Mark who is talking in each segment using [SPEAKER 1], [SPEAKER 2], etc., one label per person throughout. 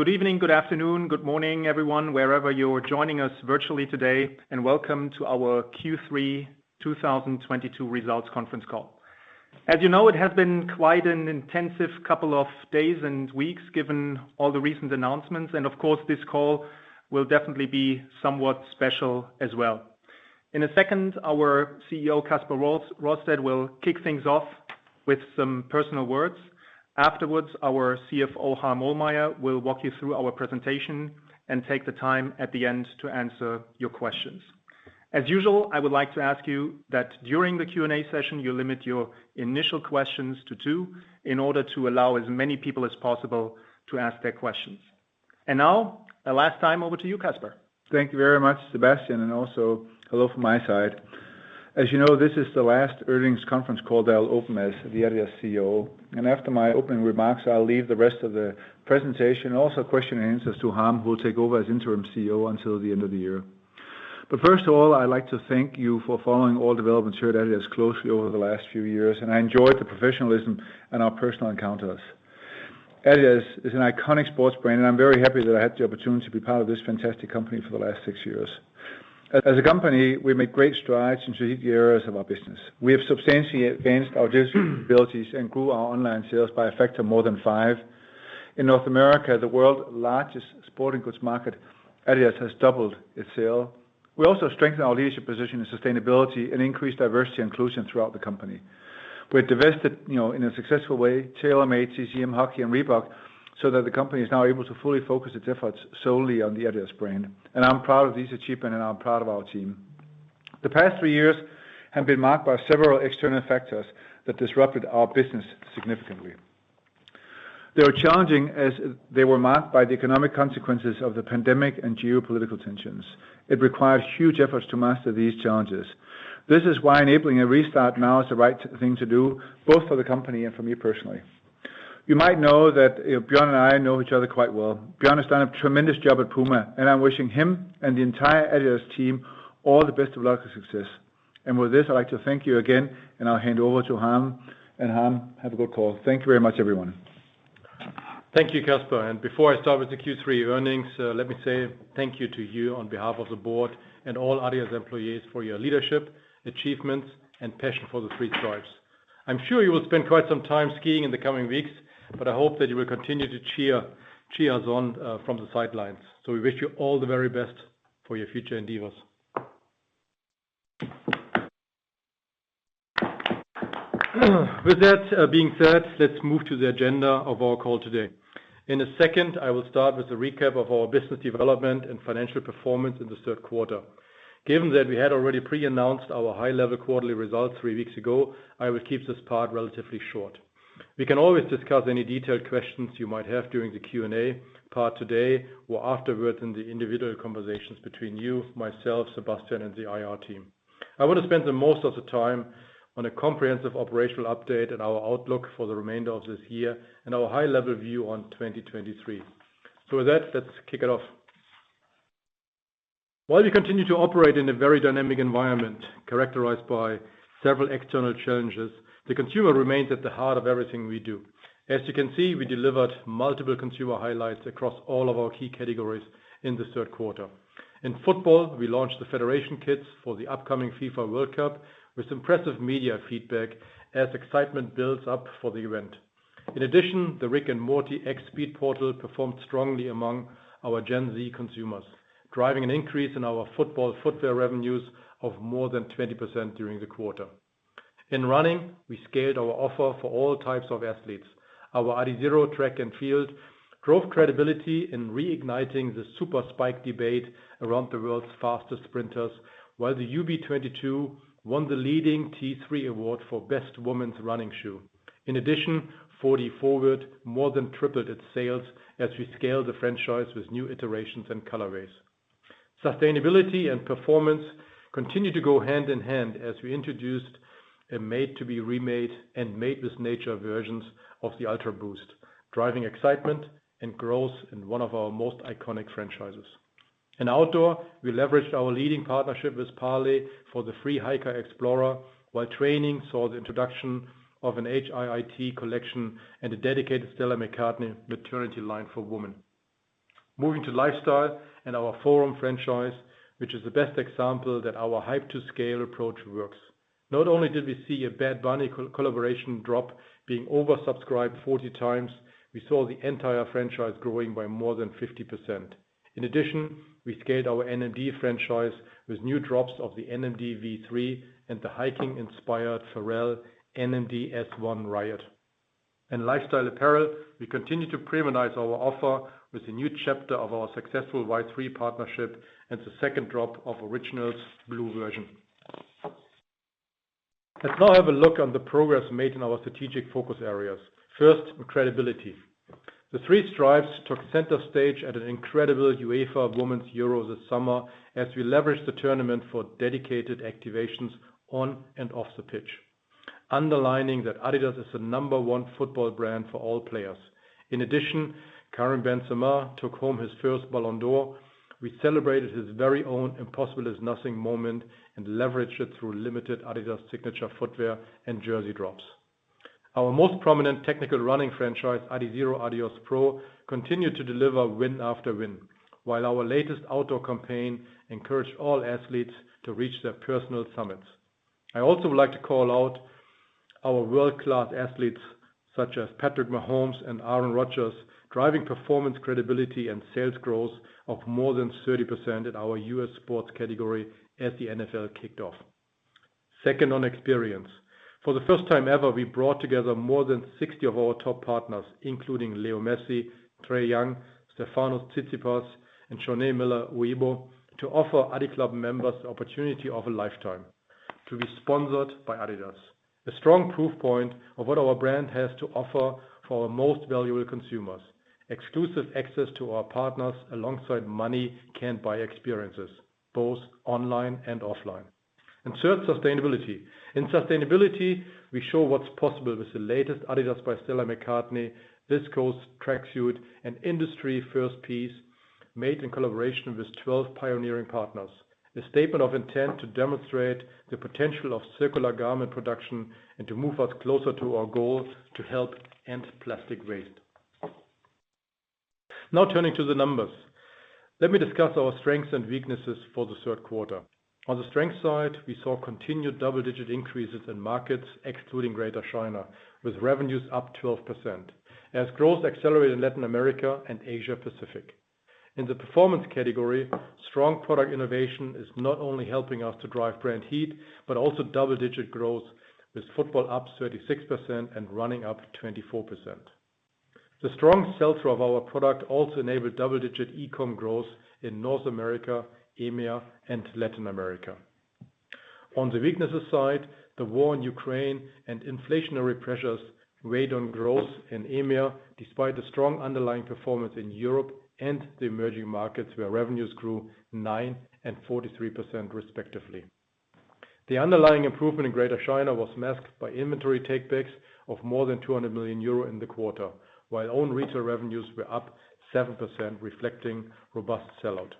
[SPEAKER 1] Good evening, good afternoon, good morning, everyone, wherever you're joining us virtually today, and welcome to our Q3 2022 results conference call. As you know, it has been quite an intensive couple of days and weeks, given all the recent announcements, and of course, this call will definitely be somewhat special as well. In a second, our CEO, Kasper Rorsted, will kick things off with some personal words. Afterwards, our CFO, Harm Ohlmeyer, will walk you through our presentation and take the time at the end to answer your questions. As usual, I would like to ask you that during the Q&A session, you limit your initial questions to two in order to allow as many people as possible to ask their questions. Now, a last time, over to you, Kasper.
[SPEAKER 2] Thank you very much, Sebastian, and also hello from my side. As you know, this is the last earnings conference call that I'll open as the adidas CEO, and after my opening remarks, I'll leave the rest of the presentation, also question and answers to Harm, who will take over as interim CEO until the end of the year. First of all, I'd like to thank you for following all developments here at adidas closely over the last few years, and I enjoyed the professionalism and our personal encounters. adidas is an iconic sports brand, and I'm very happy that I had the opportunity to be part of this fantastic company for the last six years. As a company, we made great strides in strategic areas of our business. We have substantially advanced our digital abilities and grew our online sales by a factor more than five. In North America, the world's largest sporting goods market, adidas has doubled its sales. We also strengthened our leadership position in sustainability and increased diversity inclusion throughout the company. We have divested, you know, in a successful way, TaylorMade, CCM Hockey, and Reebok so that the company is now able to fully focus its efforts solely on the adidas brand. I'm proud of this achievement, and I'm proud of our team. The past three years have been marked by several external factors that disrupted our business significantly. They were challenging as they were marked by the economic consequences of the pandemic and geopolitical tensions. It requires huge efforts to master these challenges. This is why enabling a restart now is the right thing to do, both for the company and for me personally. You might know that Bjørn and I know each other quite well. Bjørn has done a tremendous job at Puma, and I'm wishing him and the entire adidas team all the best of luck and success. With this, I'd like to thank you again, and I'll hand over to Harm. Harm, have a good call. Thank you very much, everyone.
[SPEAKER 3] Thank you, Kasper. Before I start with the Q3 earnings, let me say thank you to you on behalf of the board and all adidas employees for your leadership, achievements, and passion for the three stripes. I'm sure you will spend quite some time skiing in the coming weeks, but I hope that you will continue to cheer us on from the sidelines. We wish you all the very best for your future endeavors. With that being said, let's move to the agenda of our call today. In a second, I will start with a recap of our business development and financial performance in the third quarter. Given that we had already pre-announced our high-level quarterly results three weeks ago, I will keep this part relatively short. We can always discuss any detailed questions you might have during the Q&A part today or afterwards in the individual conversations between you, myself, Sebastian, and the IR team. I want to spend the most of the time on a comprehensive operational update and our outlook for the remainder of this year and our high-level view on 2023. With that, let's kick it off. While we continue to operate in a very dynamic environment characterized by several external challenges, the consumer remains at the heart of everything we do. As you can see, we delivered multiple consumer highlights across all of our key categories in this third quarter. In football, we launched the federation kits for the upcoming FIFA World Cup with impressive media feedback as excitement builds up for the event. In addition, the Rick and Morty X SpeedPortal performed strongly among our Gen Z consumers, driving an increase in our football footwear revenues of more than 20% during the quarter. In running, we scaled our offer for all types of athletes. Our Adizero Track and Field grew credibility in reigniting the super spike debate around the world's fastest sprinters, while the UB22 won the leading T3 award for best women's running shoe. In addition, 4DFWD more than tripled its sales as we scale the franchise with new iterations and colorways. Sustainability and performance continue to go hand in hand as we introduced a Made to Be Remade and made with nature versions of the Ultraboost, driving excitement and growth in one of our most iconic franchises. In outdoor, we leveraged our leading partnership with Parley for the Terrex Free Hiker Parley, while training saw the introduction of an HIIT collection and a dedicated Stella McCartney maternity line for women. Moving to lifestyle and our Forum franchise, which is the best example that our hype-to-scale approach works. Not only did we see a Bad Bunny co-collaboration drop being oversubscribed 40x, we saw the entire franchise growing by more than 50%. In addition, we scaled our NMD franchise with new drops of the NMD V3 and the hiking-inspired Pharrell NMD S1 Ryat. In lifestyle apparel, we continued to premiumize our offer with a new chapter of our successful Y-3 partnership and the second drop of Originals Blue Version. Let's now have a look on the progress made in our strategic focus areas. First, credibility. The three stripes took center stage at an incredible UEFA Women's Euro this summer as we leveraged the tournament for dedicated activations on and off the pitch, underlining that adidas is the number one football brand for all players. In addition, Karim Benzema took home his first Ballon d'Or. We celebrated his very own Impossible is Nothing moment and leveraged it through limited adidas signature footwear and jersey drops. Our most prominent technical running franchise, Adizero Adios Pro, continued to deliver win after win, while our latest outdoor campaign encouraged all athletes to reach their personal summits. I also would like to call out our world-class athletes, such as Patrick Mahomes and Aaron Rodgers, driving performance credibility and sales growth of more than 30% in our U.S. sports category as the NFL kicked off. Second on experience. For the first time ever, we brought together more than 60 of our top partners, including Leo Messi, Trae Young, Stefanos Tsitsipas, and Shaunae Miller-Uibo, to offer adiClub members the opportunity of a lifetime to be sponsored by adidas. A strong proof point of what our brand has to offer for our most valuable consumers. Exclusive access to our partners alongside money can't buy experiences, both online and offline. Third, sustainability. In sustainability, we show what's possible with the latest adidas by Stella McCartney viscose tracksuit, an industry-first piece made in collaboration with 12 pioneering partners. A statement of intent to demonstrate the potential of circular garment production and to move us closer to our goal to help end plastic waste. Now turning to the numbers. Let me discuss our strengths and weaknesses for the third quarter. On the strength side, we saw continued double-digit increases in markets excluding Greater China, with revenues up 12% as growth accelerated in Latin America and Asia Pacific. In the performance category, strong product innovation is not only helping us to drive brand heat, but also double-digit growth, with football up 36% and running up 24%. The strong sell-through of our product also enabled double-digit e-com growth in North America, EMEA, and Latin America. On the weaknesses side, the war in Ukraine and inflationary pressures weighed on growth in EMEA, despite the strong underlying performance in Europe and the emerging markets, where revenues grew 9% and 43% respectively. The underlying improvement in Greater China was masked by inventory takebacks of more than 200 million euro in the quarter, while own retail revenues were up 7%, reflecting robust sell-out.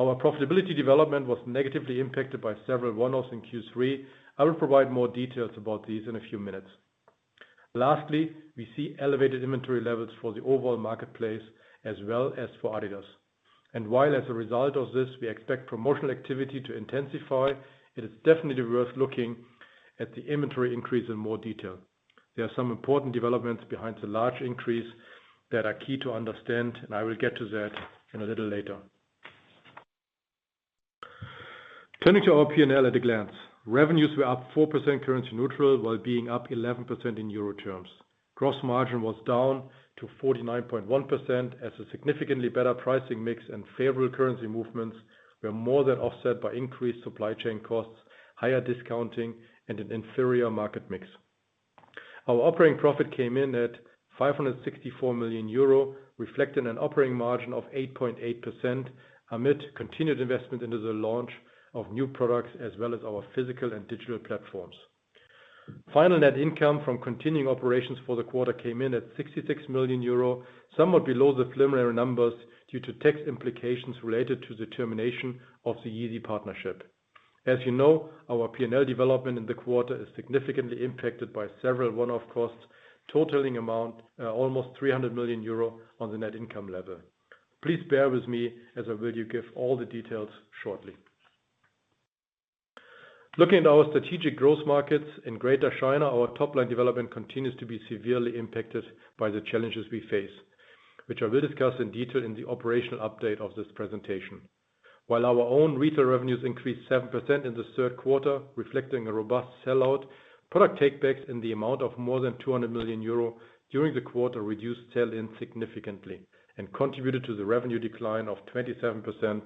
[SPEAKER 3] Our profitability development was negatively impacted by several one-offs in Q3. I will provide more details about these in a few minutes. Lastly, we see elevated inventory levels for the overall marketplace as well as for adidas. While as a result of this, we expect promotional activity to intensify, it is definitely worth looking at the inventory increase in more detail. There are some important developments behind the large increase that are key to understand, and I will get to that in a little later. Turning to our P&L at a glance. Revenues were up 4% currency neutral while being up 11% in euro terms. Gross margin was down to 49.1% as a significantly better pricing mix and favorable currency movements were more than offset by increased supply chain costs, higher discounting, and an inferior market mix. Our operating profit came in at 564 million euro, reflecting an operating margin of 8.8% amid continued investment into the launch of new products as well as our physical and digital platforms. Final net income from continuing operations for the quarter came in at 66 million euro, somewhat below the preliminary numbers due to tax implications related to the termination of the Yeezy partnership. As you know, our P&L development in the quarter is significantly impacted by several one-off costs, totaling amount almost 300 million euro on the net income level. Please bear with me as I will give all the details shortly. Looking at our strategic growth markets in Greater China, our top-line development continues to be severely impacted by the challenges we face, which I will discuss in detail in the operational update of this presentation. While our own retail revenues increased 7% in the third quarter, reflecting a robust sell-out, product takebacks in the amount of more than 200 million euro during the quarter reduced sell-in significantly and contributed to the revenue decline of 27%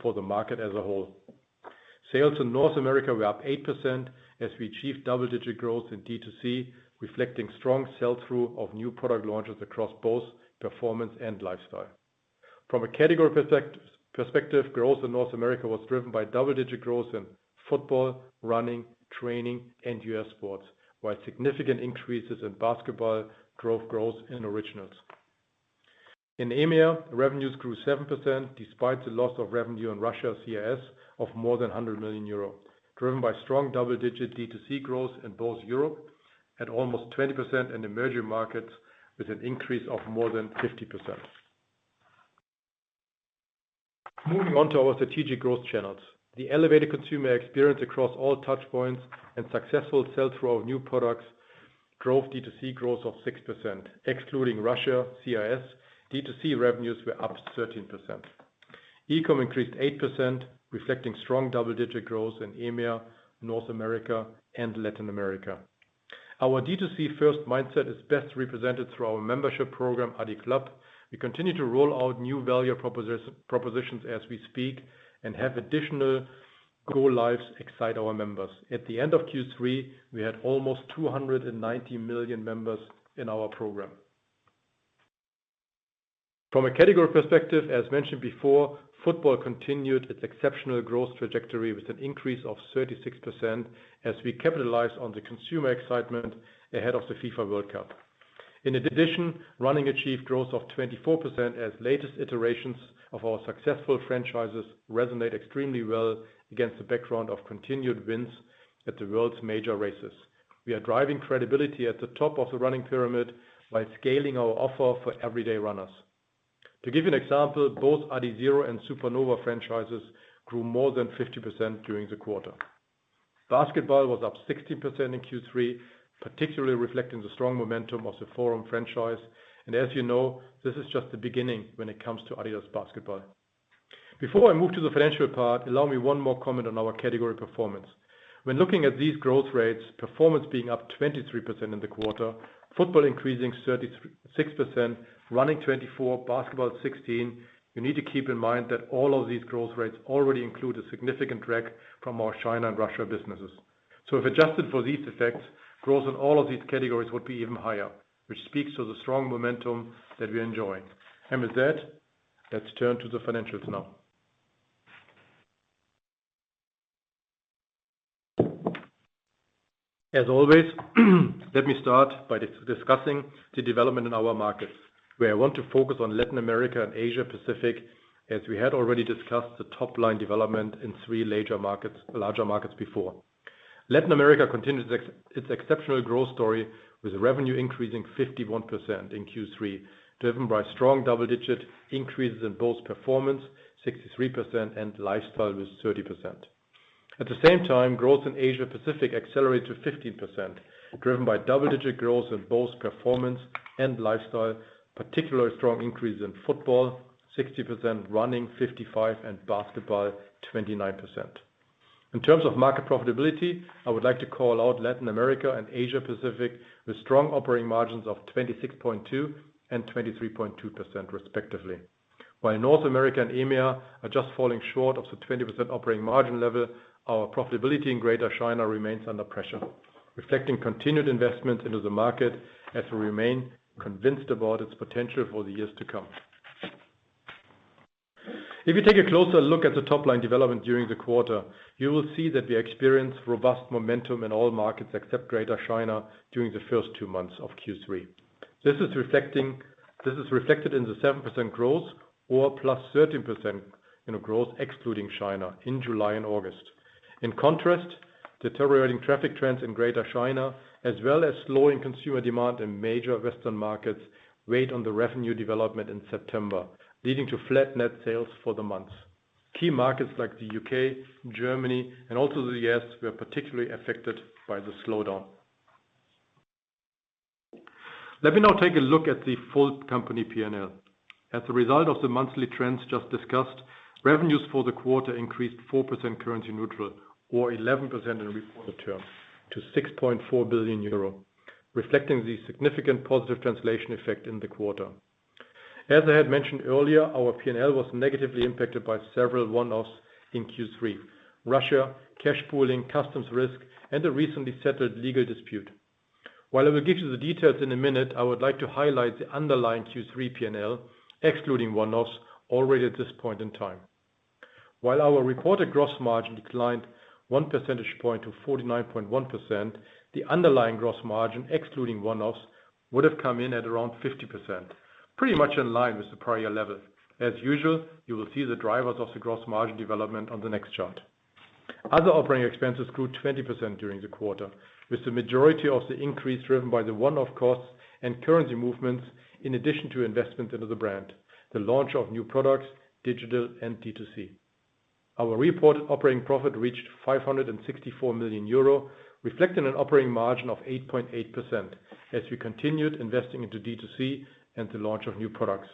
[SPEAKER 3] for the market as a whole. Sales in North America were up 8% as we achieved double-digit growth in D2C, reflecting strong sell-through of new product launches across both performance and lifestyle. From a category perspective, growth in North America was driven by double-digit growth in football, running, training, and US sports, while significant increases in basketball drove growth in originals. In EMEA, revenues grew 7% despite the loss of revenue in Russia CIS of more than 100 million euro, driven by strong double-digit D2C growth in both Europe at almost 20% in emerging markets with an increase of more than 50%. Moving on to our strategic growth channels. The elevated consumer experience across all touch points and successful sell-through of new products drove D2C growth of 6%, excluding Russia CIS. D2C revenues were up 13%. E-com increased 8%, reflecting strong double-digit growth in EMEA, North America, and Latin America. Our D2C first mindset is best represented through our membership program, adiClub. We continue to roll out new value propositions as we speak and have additional go lives excite our members. At the end of Q3, we had almost 290 million members in our program. From a category perspective, as mentioned before, football continued its exceptional growth trajectory with an increase of 36% as we capitalize on the consumer excitement ahead of the FIFA World Cup. In addition, running achieved growth of 24% as latest iterations of our successful franchises resonate extremely well against the background of continued wins at the world's major races. We are driving credibility at the top of the running pyramid by scaling our offer for everyday runners. To give you an example, both Adizero and Supernova franchises grew more than 50% during the quarter. Basketball was up 16% in Q3, particularly reflecting the strong momentum of the Forum franchise. As you know, this is just the beginning when it comes to adidas Basketball. Before I move to the financial part, allow me one more comment on our category performance. When looking at these growth rates, performance being up 23% in the quarter, football increasing 36%, running 24%, basketball 16%. You need to keep in mind that all of these growth rates already include a significant drag from our China and Russia businesses. If adjusted for these effects, growth on all of these categories would be even higher, which speaks to the strong momentum that we are enjoying. With that, let's turn to the financials now. As always, let me start by discussing the development in our markets, where I want to focus on Latin America and Asia Pacific, as we had already discussed the top line development in three larger markets before. Latin America continues its exceptional growth story with revenue increasing 51% in Q3, driven by strong double-digit increases in both performance 63% and lifestyle was 30%. At the same time, growth in Asia Pacific accelerated 15%, driven by double-digit growth in both performance and lifestyle. Particularly strong increase in football, 60%, running, 55%, and basketball, 29%. In terms of market profitability, I would like to call out Latin America and Asia Pacific with strong operating margins of 26.2% and 23.2% respectively. While North America and EMEA are just falling short of the 20% operating margin level, our profitability in Greater China remains under pressure, reflecting continued investment into the market as we remain convinced about its potential for the years to come. If you take a closer look at the top line development during the quarter, you will see that we experienced robust momentum in all markets except Greater China during the first two months of Q3. This is reflected in the 7% growth or +13% in currency-neutral growth excluding China in July and August. In contrast, deteriorating traffic trends in Greater China, as well as slowing consumer demand in major Western markets, weighed on the revenue development in September, leading to flat net sales for the month. Key markets like the UK, Germany and also the US were particularly affected by the slowdown. Let me now take a look at the full company P&L. As a result of the monthly trends just discussed, revenues for the quarter increased 4% currency neutral, or 11% in reported terms, to 6.4 billion euro, reflecting the significant positive translation effect in the quarter. As I had mentioned earlier, our P&L was negatively impacted by several one-offs in Q3, Russia, cash pooling, customs risk, and a recently settled legal dispute. While I will give you the details in a minute, I would like to highlight the underlying Q3 P&L, excluding one-offs already at this point in time. While our reported gross margin declined 1 percentage point to 49.1%, the underlying gross margin, excluding one-offs, would have come in at around 50%, pretty much in line with the prior year levels. As usual, you will see the drivers of the gross margin development on the next chart. Other operating expenses grew 20% during the quarter, with the majority of the increase driven by the one-off costs and currency movements, in addition to investment into the brand, the launch of new products, digital and D2C. Our reported operating profit reached 564 million euro, reflecting an operating margin of 8.8% as we continued investing into D2C and the launch of new products.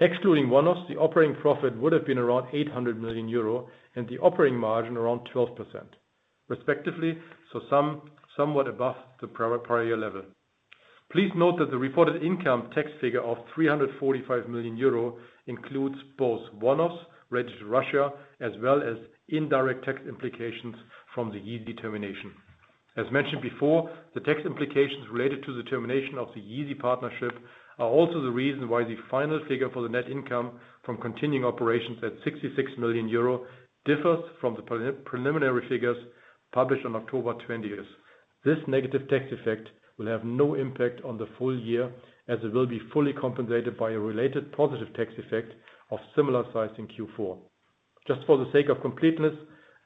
[SPEAKER 3] Excluding one-offs, the operating profit would have been around 800 million euro and the operating margin around 12% respectively, so somewhat above the prior level. Please note that the reported income tax figure of 345 million euro includes both one-offs related to Russia as well as indirect tax implications from the Yeezy termination. As mentioned before, the tax implications related to the termination of the Yeezy partnership are also the reason why the final figure for the net income from continuing operations at 66 million euro differs from the preliminary figures published on October 20th. This negative tax effect will have no impact on the full-year as it will be fully compensated by a related positive tax effect of similar size in Q4. Just for the sake of completeness,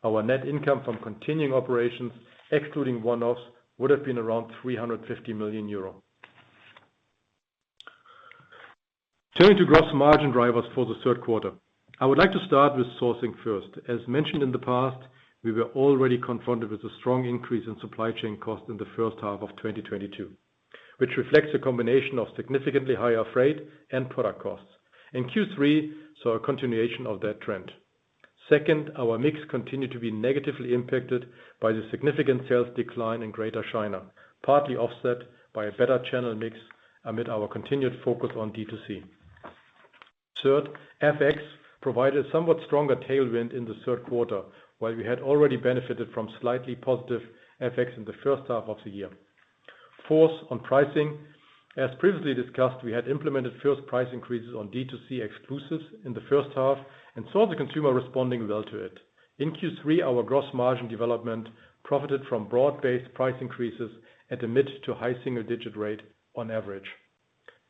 [SPEAKER 3] our net income from continuing operations, excluding one-offs, would have been around 350 million euro. Turning to gross margin drivers for the third quarter. I would like to start with sourcing first. As mentioned in the past, we were already confronted with a strong increase in supply chain costs in the first half of 2022, which reflects a combination of significantly higher freight and product costs. In Q3, we saw a continuation of that trend. Second, our mix continued to be negatively impacted by the significant sales decline in Greater China, partly offset by a better channel mix amid our continued focus on D2C. Third, FX provided somewhat stronger tailwind in the third quarter, while we had already benefited from slightly positive FX in the first half of the year. Fourth, on pricing, as previously discussed, we had implemented first price increases on D2C exclusives in the first half and saw the consumer responding well to it. In Q3, our gross margin development profited from broad-based price increases at a mid- to high single-digit rate on average.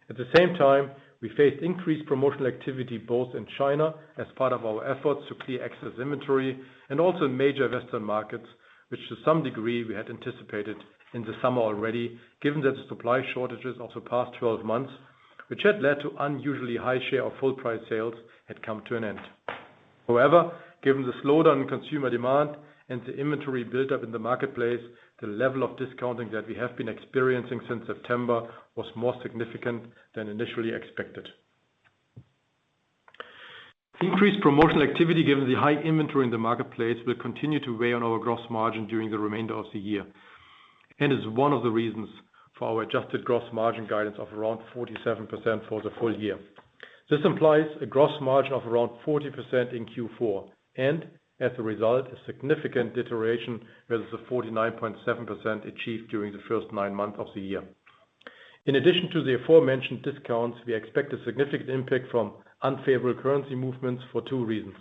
[SPEAKER 3] At the same time, we faced increased promotional activity both in China as part of our efforts to clear excess inventory and also in major Western markets, which to some degree we had anticipated in the summer already, given that the supply shortages of the past 12 months, which had led to unusually high share of full price sales, had come to an end. However, given the slowdown in consumer demand and the inventory buildup in the marketplace, the level of discounting that we have been experiencing since September was more significant than initially expected. Increased promotional activity given the high inventory in the marketplace will continue to weigh on our gross margin during the remainder of the year and is one of the reasons for our adjusted gross margin guidance of around 47% for the full-year. This implies a gross margin of around 40% in Q4 and, as a result, a significant deterioration versus the 49.7% achieved during the first nine months of the year. In addition to the aforementioned discounts, we expect a significant impact from unfavorable currency movements for two reasons.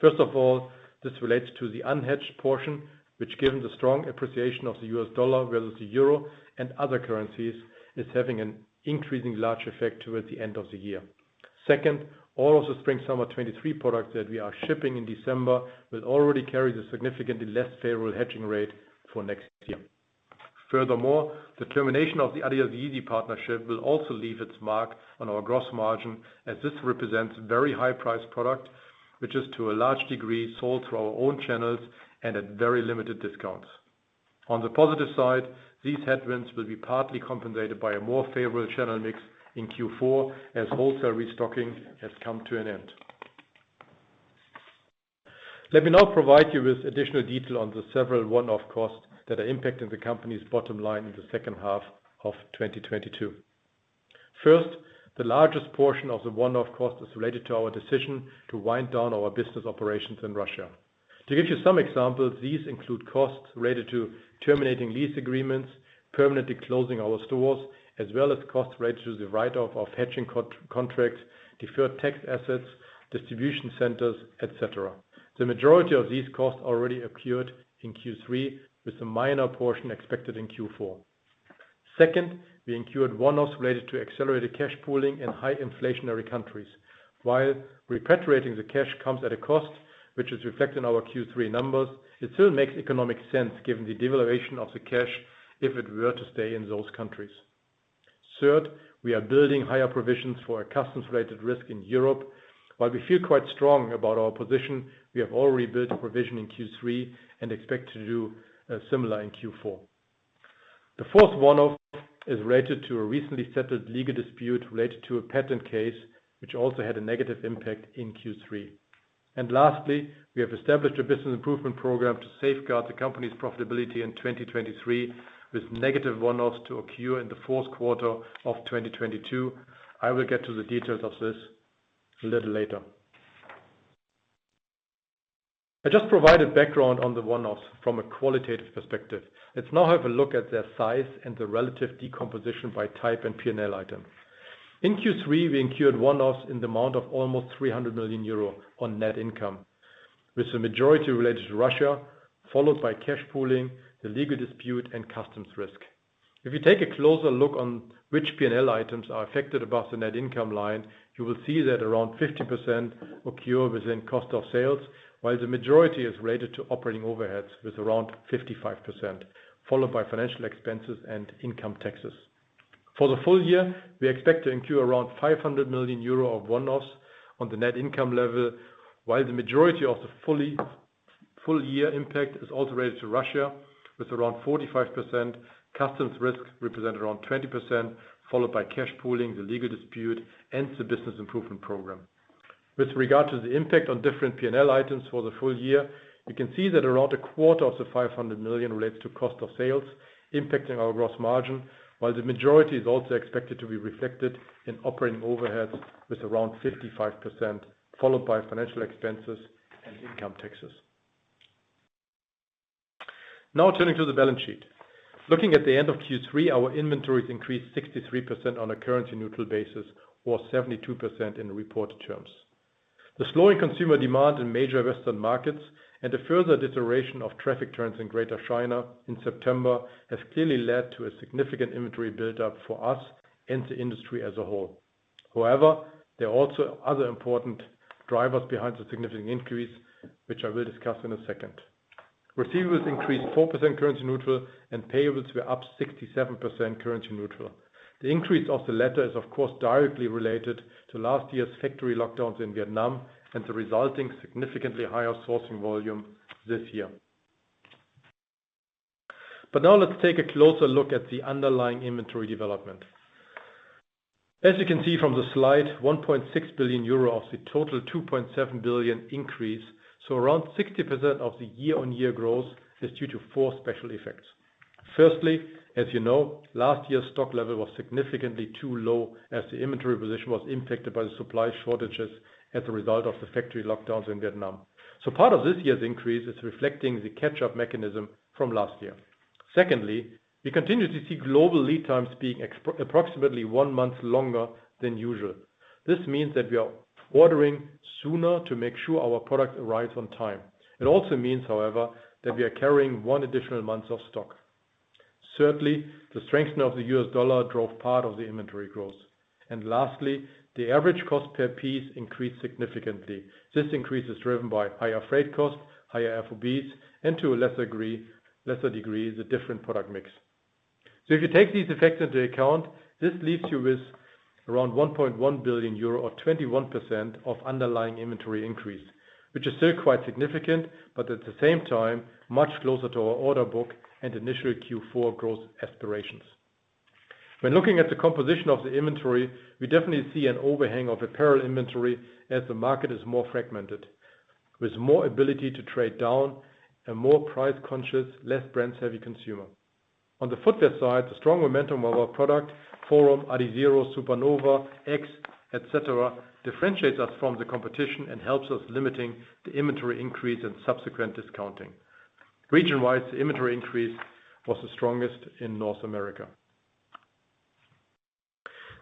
[SPEAKER 3] First of all, this relates to the unhedged portion, which given the strong appreciation of the US dollar versus the euro and other currencies, is having an increasingly large effect towards the end of the year. Second, all of the spring/summer 2023 products that we are shipping in December will already carry the significantly less favorable hedging rate for next year. Furthermore, the termination of the adidas Yeezy partnership will also leave its mark on our gross margin as this represents very high price product, which is to a large degree sold through our own channels and at very limited discounts. On the positive side, these headwinds will be partly compensated by a more favorable channel mix in Q4 as wholesale restocking has come to an end. Let me now provide you with additional detail on the several one-off costs that are impacting the company's bottom line in the second half of 2022. First, the largest portion of the one-off cost is related to our decision to wind down our business operations in Russia. To give you some examples, these include costs related to terminating lease agreements, permanently closing our stores, as well as costs related to the write-off of hedging contracts, deferred tax assets, distribution centers, et cetera. The majority of these costs already occurred in Q3 with a minor portion expected in Q4. Second, we incurred one-offs related to accelerated cash pooling in high inflationary countries. While repatriating the cash comes at a cost which is reflected in our Q3 numbers, it still makes economic sense given the devaluation of the cash if it were to stay in those countries. Third, we are building higher provisions for a customs-related risk in Europe. While we feel quite strong about our position, we have already built a provision in Q3 and expect to do similar in Q4. The fourth one-off is related to a recently settled legal dispute related to a patent case which also had a negative impact in Q3. Lastly, we have established a business improvement program to safeguard the company's profitability in 2023 with negative one-offs to occur in the fourth quarter of 2022. I will get to the details of this a little later. I just provided background on the one-offs from a qualitative perspective. Let's now have a look at their size and the relative decomposition by type and P&L item. In Q3, we incurred one-offs in the amount of almost 300 million euro on net income, with the majority related to Russia, followed by cash pooling, the legal dispute, and customs risk. If you take a closer look on which P&L items are affected above the net income line, you will see that around 50% occur within cost of sales, while the majority is related to operating overheads with around 55%, followed by financial expenses and income taxes. For the full-year, we expect to incur around 500 million euro of one-offs on the net income level, while the majority of the full-year impact is also related to Russia with around 45%. Customs risk represent around 20%, followed by cash pooling, the legal dispute, and the business improvement program. With regard to the impact on different P&L items for the full-year, you can see that around a quarter of the 500 million relates to cost of sales impacting our gross margin, while the majority is also expected to be reflected in operating overheads with around 55%, followed by financial expenses and income taxes. Now turning to the balance sheet. Looking at the end of Q3, our inventories increased 63% on a currency neutral basis or 72% in reported terms. The slowing consumer demand in major Western markets and a further deterioration of traffic trends in Greater China in September has clearly led to a significant inventory buildup for us and the industry as a whole. However, there are also other important drivers behind the significant increase, which I will discuss in a second. Receivables increased 4% currency neutral and payables were up 67% currency neutral. The increase of the latter is of course directly related to last year's factory lockdowns in Vietnam and the resulting significantly higher sourcing volume this year. Now let's take a closer look at the underlying inventory development. As you can see from the slide, 1.6 billion euro of the total 2.7 billion increase, so around 60% of the year-on-year growth is due to four special effects. Firstly, as you know, last year's stock level was significantly too low as the inventory position was impacted by the supply shortages as a result of the factory lockdowns in Vietnam. Part of this year's increase is reflecting the catch-up mechanism from last year. Secondly, we continue to see global lead times being approximately one month longer than usual. This means that we are ordering sooner to make sure our product arrives on time. It also means, however, that we are carrying one additional month of stock. Certainly, the strengthening of the US dollar drove part of the inventory growth. Lastly, the average cost per piece increased significantly. This increase is driven by higher freight costs, higher FOBs, and to a lesser degree, the different product mix. If you take these effects into account, this leaves you with around 1.1 billion euro or 21% of underlying inventory increase, which is still quite significant, but at the same time, much closer to our order book and initial Q4 growth aspirations. When looking at the composition of the inventory, we definitely see an overhang of apparel inventory as the market is more fragmented, with more ability to trade down and more price-conscious, less brand-savvy consumer. On the footwear side, the strong momentum of our product, Forum, Adizero, Supernova, X, et cetera, differentiates us from the competition and helps us limiting the inventory increase and subsequent discounting. Region-wise, the inventory increase was the strongest in North America.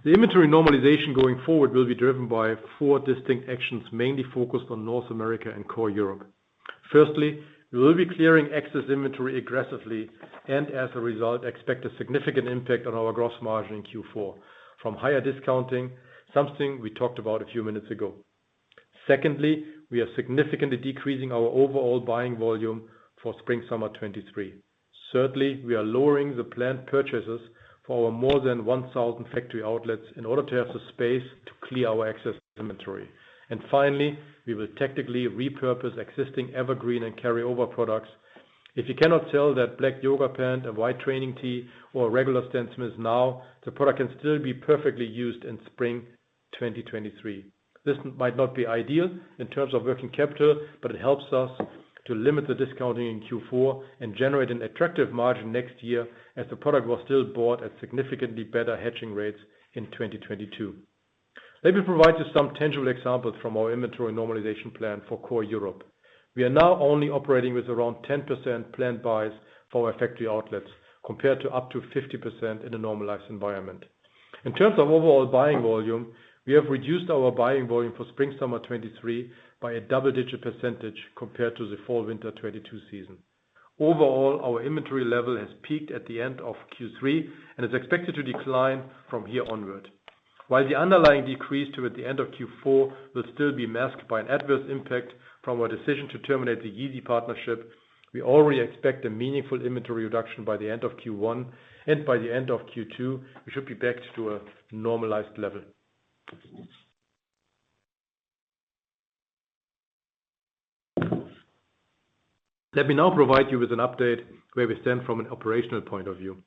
[SPEAKER 3] The inventory normalization going forward will be driven by four distinct actions, mainly focused on North America and core Europe. Firstly, we will be clearing excess inventory aggressively and as a result, expect a significant impact on our gross margin in Q4 from higher discounting, something we talked about a few minutes ago. Secondly, we are significantly decreasing our overall buying volume for spring/summer 2023. Thirdly, we are lowering the planned purchases for our more than 1,000 factory outlets in order to have the space to clear our excess inventory. Finally, we will technically repurpose existing evergreen and carryover products. If you cannot sell that black yoga pant, a white training tee, or a regular Stan Smith now, the product can still be perfectly used in spring 2023. This might not be ideal in terms of working capital, but it helps us to limit the discounting in Q4 and generate an attractive margin next year as the product was still bought at significantly better hedging rates in 2022. Let me provide you some tangible examples from our inventory normalization plan for core Europe. We are now only operating with around 10% planned buys for our factory outlets, compared to up to 50% in a normalized environment. In terms of overall buying volume, we have reduced our buying volume for spring/summer 2023 by a double-digit percentage compared to the fall/winter 2022 season. Overall, our inventory level has peaked at the end of Q3 and is expected to decline from here onward. While the underlying decrease toward the end of Q4 will still be masked by an adverse impact from our decision to terminate the Yeezy partnership, we already expect a meaningful inventory reduction by the end of Q1, and by the end of Q2, we should be back to a normalized level. Let me now provide you with an update where we stand from an operational point of view.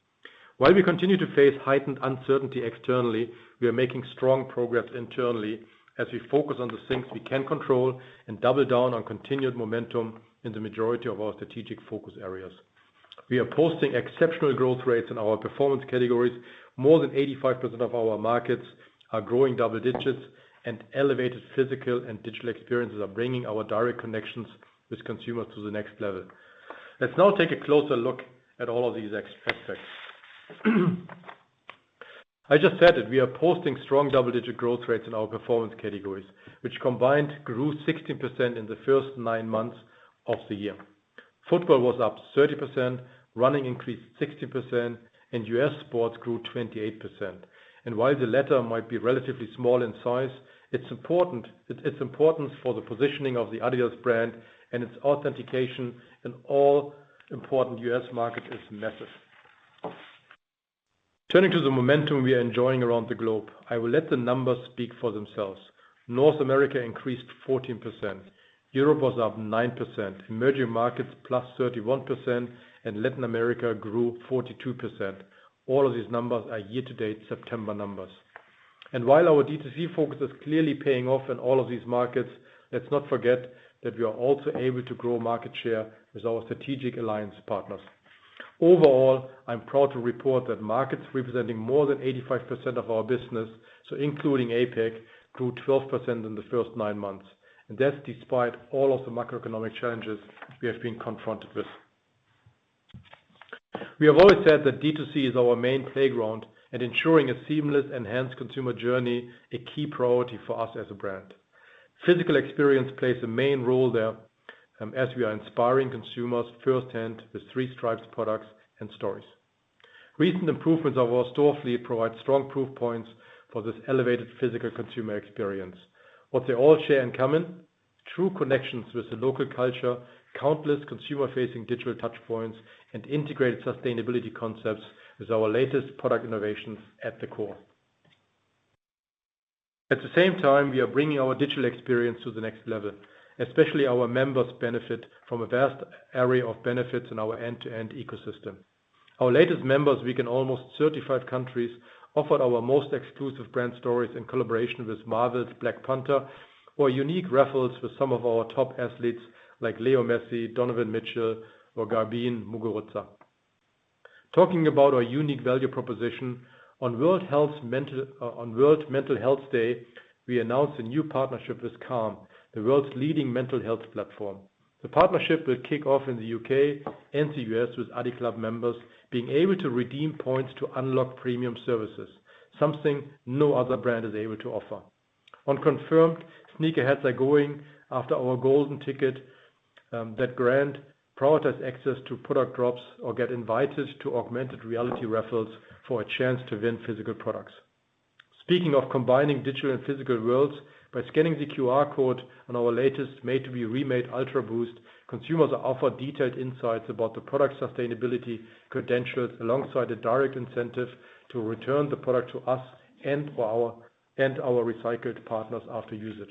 [SPEAKER 3] While we continue to face heightened uncertainty externally, we are making strong progress internally as we focus on the things we can control and double down on continued momentum in the majority of our strategic focus areas. We are posting exceptional growth rates in our performance categories. More than 85% of our markets are growing double digits and elevated physical and digital experiences are bringing our direct connections with consumers to the next level. Let's now take a closer look at all of these aspects. I just said that we are posting strong double-digit growth rates in our performance categories, which combined grew 16% in the first nine months of the year. Football was up 30%, running increased 16%, and US sports grew 28%. While the latter might be relatively small in size, it's important for the positioning of the adidas brand and its authentication in all important US markets is massive. Turning to the momentum we are enjoying around the globe, I will let the numbers speak for themselves. North America increased 14%. Europe was up 9%. Emerging markets +31%, and Latin America grew 42%. All of these numbers are year-to-date September numbers. While our D2C focus is clearly paying off in all of these markets, let's not forget that we are also able to grow market share with our strategic alliance partners. Overall, I'm proud to report that markets representing more than 85% of our business, so including APAC, grew 12% in the first nine months. That's despite all of the macroeconomic challenges we have been confronted with. We have always said that D2C is our main playground and ensuring a seamless, enhanced consumer journey, a key priority for us as a brand. Physical experience plays a main role there, as we are inspiring consumers firsthand with three stripes products and stories. Recent improvements of our store fleet provide strong proof points for this elevated physical consumer experience. What they all share in common, true connections with the local culture, countless consumer-facing digital touchpoints, and integrated sustainability concepts with our latest product innovations at the core. At the same time, we are bringing our digital experience to the next level, especially our members benefit from a vast array of benefits in our end-to-end ecosystem. Our latest members week in almost 35 countries, offered our most exclusive brand stories in collaboration with Marvel's Black Panther or unique raffles with some of our top athletes like Lionel Messi, Donovan Mitchell, or Garbiñe Muguruza. Talking about our unique value proposition on World Mental Health Day, we announced a new partnership with Calm, the world's leading mental health platform. The partnership will kick off in the UK and the US with adiClub members being able to redeem points to unlock premium services, something no other brand is able to offer. On CONFIRMED, sneakerheads are going after our golden ticket that grants prioritized access to product drops or get invited to augmented reality raffles for a chance to win physical products. Speaking of combining digital and physical worlds, by scanning the QR code on our latest Made to Be Remade Ultraboost, consumers are offered detailed insights about the product sustainability credentials alongside a direct incentive to return the product to us and our recycled partners after usage.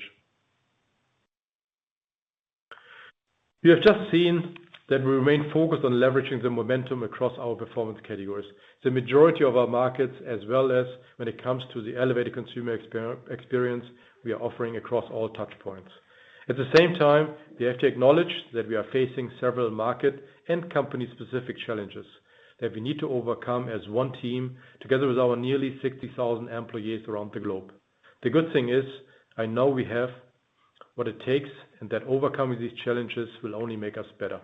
[SPEAKER 3] You have just seen that we remain focused on leveraging the momentum across our performance categories. The majority of our markets, as well as when it comes to the elevated consumer experience we are offering across all touchpoints. At the same time, we have to acknowledge that we are facing several market and company-specific challenges that we need to overcome as one team together with our nearly 60,000 employees around the globe. The good thing is, I know we have what it takes, and that overcoming these challenges will only make us better.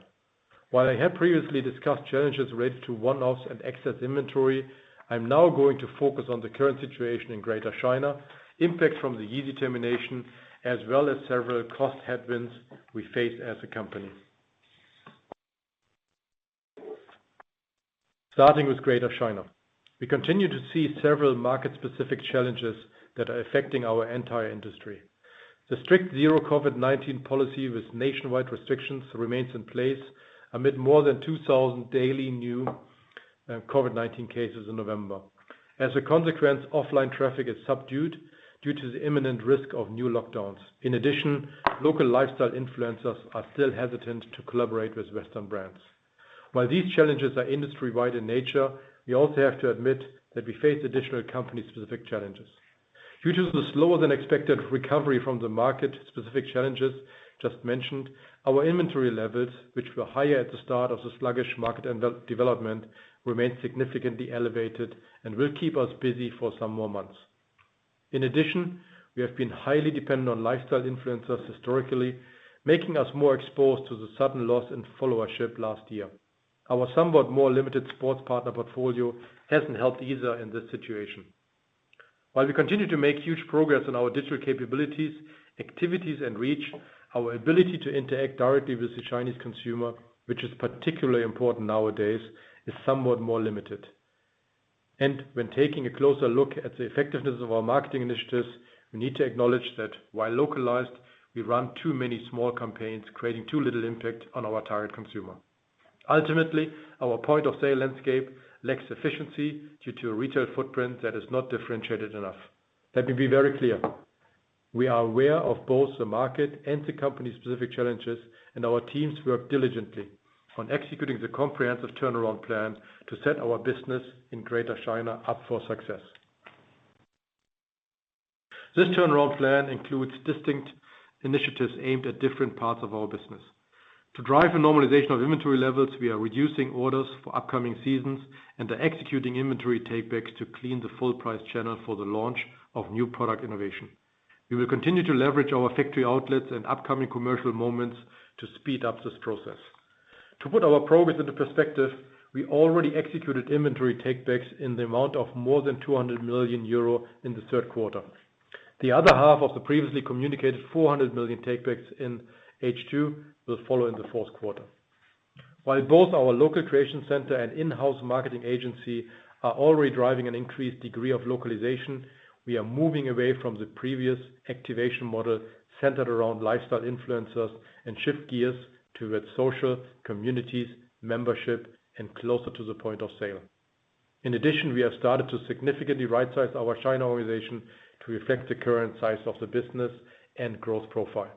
[SPEAKER 3] While I have previously discussed challenges related to one-offs and excess inventory, I'm now going to focus on the current situation in Greater China, impacts from the Yeezy termination, as well as several cost headwinds we face as a company. Starting with Greater China. We continue to see several market-specific challenges that are affecting our entire industry. The strict zero COVID-19 policy with nationwide restrictions remains in place amid more than 2,000 daily new COVID-19 cases in November. As a consequence, offline traffic is subdued due to the imminent risk of new lockdowns. In addition, local lifestyle influencers are still hesitant to collaborate with Western brands. While these challenges are industry-wide in nature, we also have to admit that we face additional company-specific challenges. Due to the slower than expected recovery from the market-specific challenges just mentioned, our inventory levels, which were higher at the start of the sluggish market and development, remain significantly elevated and will keep us busy for some more months. In addition, we have been highly dependent on lifestyle influencers historically, making us more exposed to the sudden loss in followership last year. Our somewhat more limited sports partner portfolio hasn't helped either in this situation. While we continue to make huge progress on our digital capabilities, activities, and reach, our ability to interact directly with the Chinese consumer, which is particularly important nowadays, is somewhat more limited. When taking a closer look at the effectiveness of our marketing initiatives, we need to acknowledge that while localized, we run too many small campaigns, creating too little impact on our target consumer. Ultimately, our point of sale landscape lacks efficiency due to a retail footprint that is not differentiated enough. Let me be very clear. We are aware of both the market and the company-specific challenges, and our teams work diligently on executing the comprehensive turnaround plan to set our business in Greater China up for success. This turnaround plan includes distinct initiatives aimed at different parts of our business. To drive a normalization of inventory levels, we are reducing orders for upcoming seasons and are executing inventory takebacks to clean the full price channel for the launch of new product innovation. We will continue to leverage our factory outlets and upcoming commercial moments to speed up this process. To put our progress into perspective, we already executed inventory takebacks in the amount of more than 200 million euro in the third quarter. The other half of the previously communicated 400 million takebacks in H2 will follow in the fourth quarter. While both our local creation center and in-house marketing agency are already driving an increased degree of localization, we are moving away from the previous activation model centered around lifestyle influencers and shift gears towards social, communities, membership, and closer to the point of sale. In addition, we have started to significantly right-size our China organization to reflect the current size of the business and growth profile.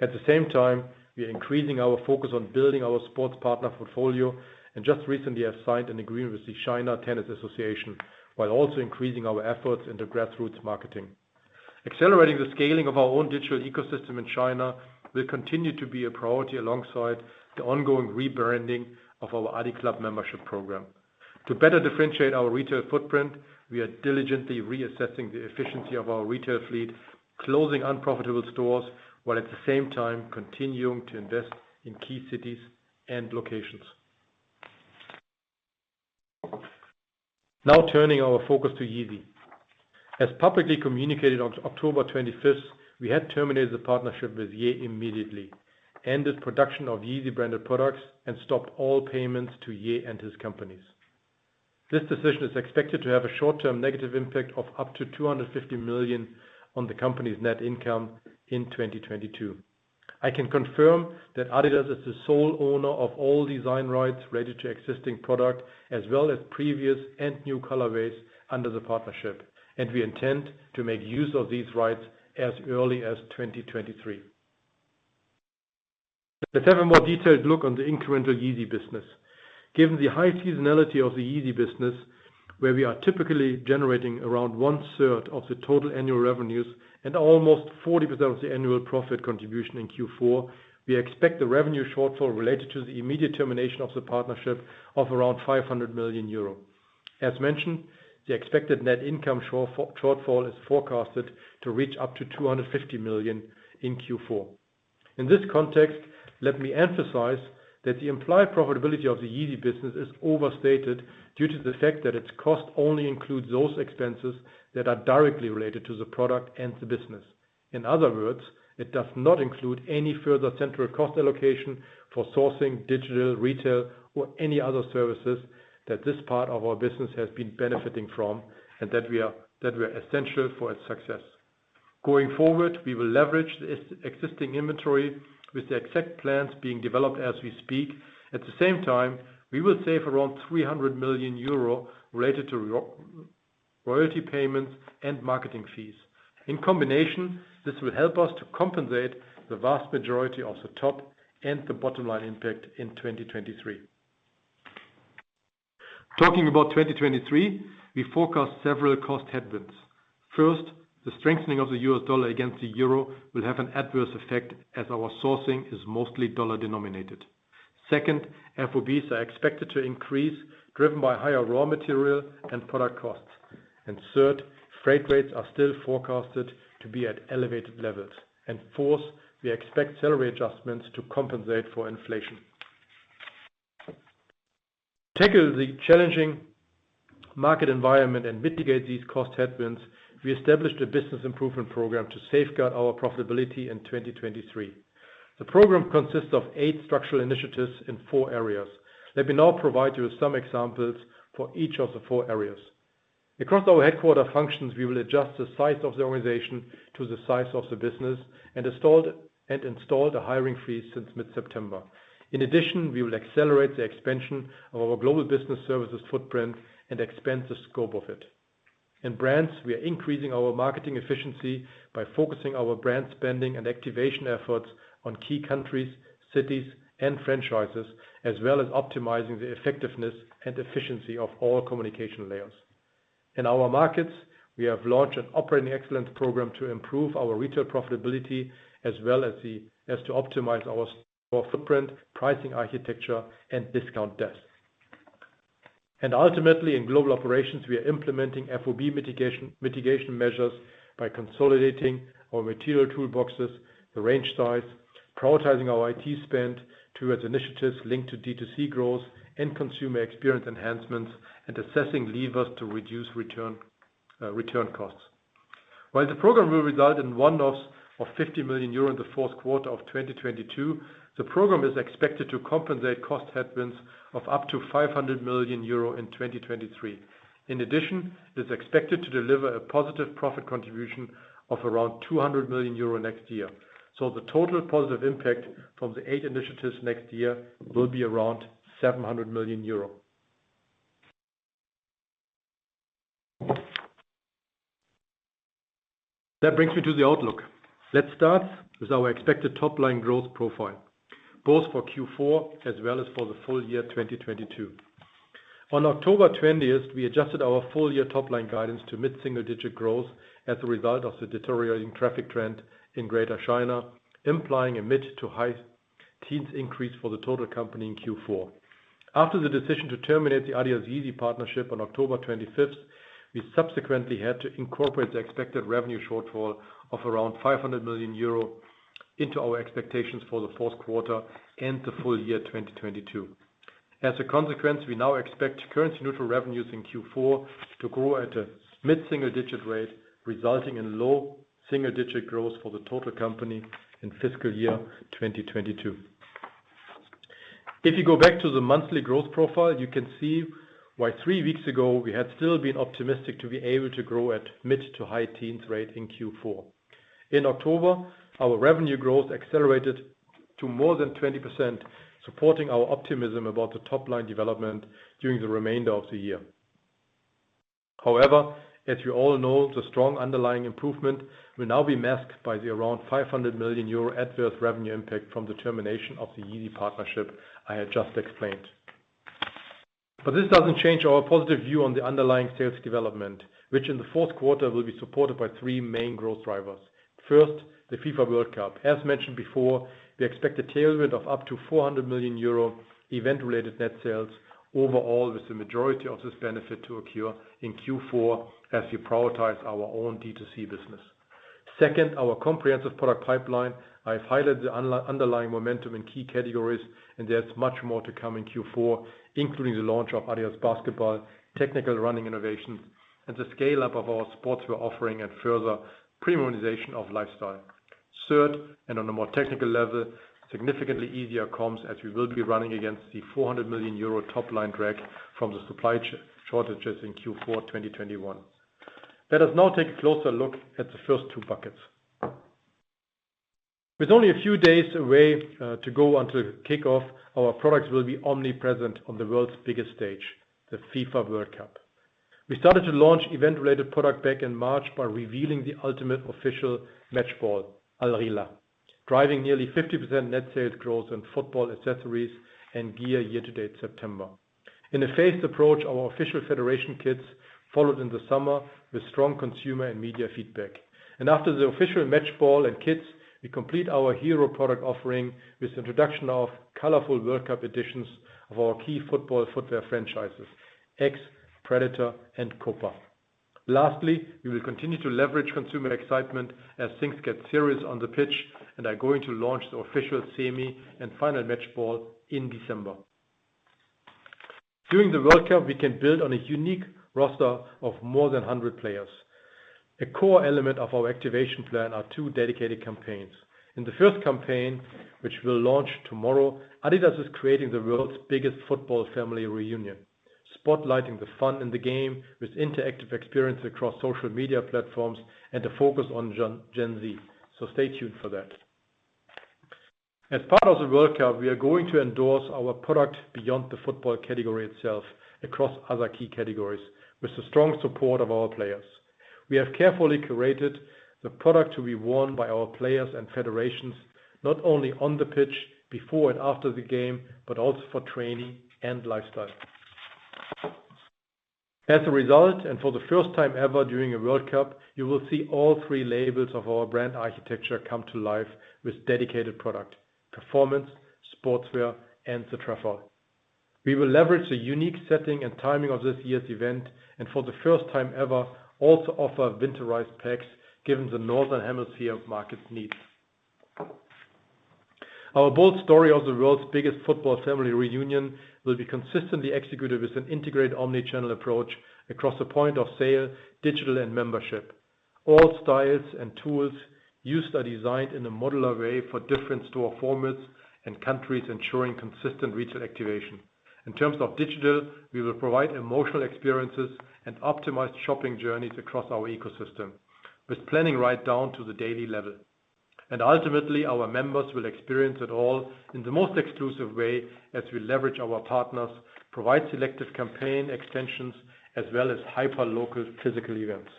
[SPEAKER 3] At the same time, we are increasing our focus on building our sports partner portfolio and just recently have signed an agreement with the Chinese Tennis Association, while also increasing our efforts into grassroots marketing. Accelerating the scaling of our own digital ecosystem in China will continue to be a priority alongside the ongoing rebranding of our adiClub membership program. To better differentiate our retail footprint, we are diligently reassessing the efficiency of our retail fleet, closing unprofitable stores, while at the same time continuing to invest in key cities and locations. Now turning our focus to Yeezy. As publicly communicated on October 25, we had terminated the partnership with Ye immediately, ended production of Yeezy branded products, and stopped all payments to Ye and his companies. This decision is expected to have a short-term negative impact of up to 250 million on the company's net income in 2022. I can confirm that adidas is the sole owner of all design rights related to existing product as well as previous and new colorways under the partnership, and we intend to make use of these rights as early as 2023. Let's have a more detailed look on the incremental Yeezy business. Given the high seasonality of the Yeezy business, where we are typically generating around 1/3 of the total annual revenues and almost 40% of the annual profit contribution in Q4, we expect the revenue shortfall related to the immediate termination of the partnership of around 500 million euro. As mentioned, the expected net income shortfall is forecasted to reach up to 250 million in Q4. In this context, let me emphasize that the implied profitability of the Yeezy business is overstated due to the fact that its cost only includes those expenses that are directly related to the product and the business. In other words, it does not include any further central cost allocation for sourcing, digital, retail or any other services that this part of our business has been benefiting from and that were essential for its success. Going forward, we will leverage the existing inventory with the exact plans being developed as we speak. At the same time, we will save around 300 million euro related to royalty payments and marketing fees. In combination, this will help us to compensate the vast majority of the top and the bottom-line impact in 2023. Talking about 2023, we forecast several cost headwinds. First, the strengthening of the US dollar against the euro will have an adverse effect as our sourcing is mostly dollar-denominated. Second, FOBs are expected to increase driven by higher raw material and product costs. Third, freight rates are still forecasted to be at elevated levels. Fourth, we expect salary adjustments to compensate for inflation. To tackle the challenging market environment and mitigate these cost headwinds, we established a business improvement program to safeguard our profitability in 2023. The program consists of eight structural initiatives in four areas. Let me now provide you with some examples for each of the four areas. Across our headquarters functions, we will adjust the size of the organization to the size of the business and installed a hiring freeze since mid-September. In addition, we will accelerate the expansion of our global business services footprint and expand the scope of it. In brands, we are increasing our marketing efficiency by focusing our brand spending and activation efforts on key countries, cities and franchises, as well as optimizing the effectiveness and efficiency of all communication layers. In our markets, we have launched an operating excellence program to improve our retail profitability as well as to optimize our store footprint, pricing architecture and discount desk. Ultimately, in global operations, we are implementing FOB mitigation measures by consolidating our material toolboxes, the range size, prioritizing our IT spend towards initiatives linked to D2C growth and consumer experience enhancements, and assessing levers to reduce return costs. While the program will result in one-offs of 50 million euro in the fourth quarter of 2022, the program is expected to compensate cost headwinds of up to 500 million euro in 2023. In addition, it's expected to deliver a positive profit contribution of around 200 million euro next year. The total positive impact from the eight initiatives next year will be around 700 million euro. That brings me to the outlook. Let's start with our expected top-line growth profile, both for Q4 as well as for the full-year 2022. On October 20th, we adjusted our full-year top-line guidance to mid-single-digit growth as a result of the deteriorating traffic trend in Greater China, implying a mid- to high-teens increase for the total company in Q4. After the decision to terminate the adidas Yeezy partnership on October 25th, we subsequently had to incorporate the expected revenue shortfall of around 500 million euro into our expectations for the fourth quarter and the full-year 2022. As a consequence, we now expect currency-neutral revenues in Q4 to grow at a mid-single-digit rate, resulting in low-single-digit growth for the total company in fiscal year 2022. If you go back to the monthly growth profile, you can see why three weeks ago we had still been optimistic to be able to grow at mid- to high-teens rate in Q4. In October, our revenue growth accelerated to more than 20%, supporting our optimism about the top line development during the remainder of the year. However, as you all know, the strong underlying improvement will now be masked by the around 500 million euro adverse revenue impact from the termination of the Yeezy partnership I had just explained. This doesn't change our positive view on the underlying sales development, which in the fourth quarter will be supported by three main growth drivers. First, the FIFA World Cup. As mentioned before, we expect a tailwind of up to 400 million euro event-related net sales overall, with the majority of this benefit to occur in Q4 as we prioritize our own D2C business. Second, our comprehensive product pipeline. I have highlighted the underlying momentum in key categories, and there's much more to come in Q4, including the launch of adidas Basketball, technical running innovations, and the scale-up of our sportswear offering and further premiumization of lifestyle. Third, and on a more technical level, significantly easier comps as we will be running against the 400 million euro top line drag from the supply shortages in Q4 2021. Let us now take a closer look at the first two buckets. With only a few days away to go until kickoff, our products will be omnipresent on the world's biggest stage, the FIFA World Cup. We started to launch event-related product back in March by revealing the ultimate official match ball, Al Rihla, driving nearly 50% net sales growth on football accessories and gear year to date September. In a phased approach, our official federation kits followed in the summer with strong consumer and media feedback. After the official match ball and kits, we complete our hero product offering with the introduction of colorful World Cup editions of our key football footwear franchises, X, Predator and Copa. Lastly, we will continue to leverage consumer excitement as things get serious on the pitch and are going to launch the official semi and final match ball in December. During the World Cup, we can build on a unique roster of more than 100 players. A core element of our activation plan are two dedicated campaigns. In the first campaign, which we'll launch tomorrow, adidas is creating the world's biggest football family reunion, spotlighting the fun in the game with interactive experience across social media platforms and a focus on Gen Z. Stay tuned for that. As part of the World Cup, we are going to endorse our product beyond the football category itself, across other key categories with the strong support of our players. We have carefully curated the product to be worn by our players and federations, not only on the pitch before and after the game, but also for training and lifestyle. As a result, and for the first time ever during a World Cup, you will see all three labels of our brand architecture come to life with dedicated product, performance, sportswear, and Terrex. We will leverage the unique setting and timing of this year's event, and for the first time ever, also offer winterized packs, given the northern hemisphere market needs. Our bold story of the world's biggest football family reunion will be consistently executed with an integrated omni-channel approach across the point of sale, digital and membership. All styles and tools used are designed in a modular way for different store formats and countries, ensuring consistent retail activation. In terms of digital, we will provide emotional experiences and optimized shopping journeys across our ecosystem, with planning right down to the daily level. Ultimately, our members will experience it all in the most exclusive way as we leverage our partners, provide selective campaign extensions, as well as hyperlocal physical events.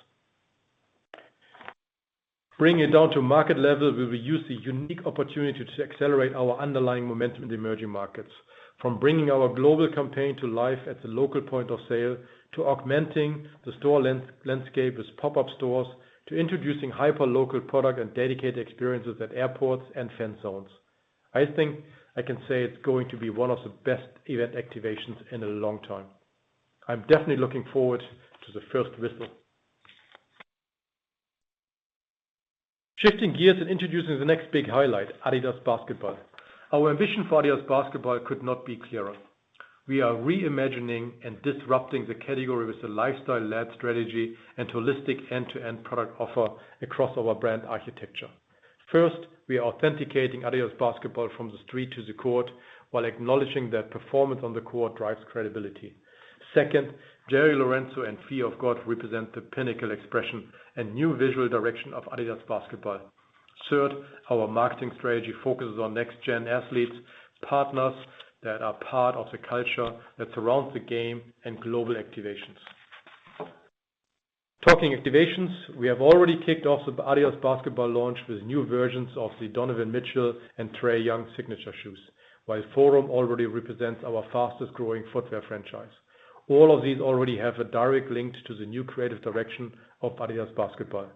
[SPEAKER 3] Bringing it down to market level, we will use the unique opportunity to accelerate our underlying momentum in the emerging markets. From bringing our global campaign to life at the local point of sale, to augmenting the store landscape with pop-up stores, to introducing hyperlocal product and dedicated experiences at airports and fan zones. I think I can say it's going to be one of the best event activations in a long time. I'm definitely looking forward to the first whistle. Shifting gears and introducing the next big highlight, adidas Basketball. Our ambition for adidas Basketball could not be clearer. We are reimagining and disrupting the category with a lifestyle-led strategy and holistic end-to-end product offer across our brand architecture. First, we are authenticating adidas Basketball from the street to the court, while acknowledging that performance on the court drives credibility. Second, Jerry Lorenzo and Fear of God represent the pinnacle expression and new visual direction of adidas Basketball. Third, our marketing strategy focuses on next-gen athletes, partners that are part of the culture that surrounds the game and global activations. Talking activations, we have already kicked off the adidas Basketball launch with new versions of the Donovan Mitchell and Trae Young signature shoes, while Forum already represents our fastest-growing footwear franchise. All of these already have a direct link to the new creative direction of adidas Basketball.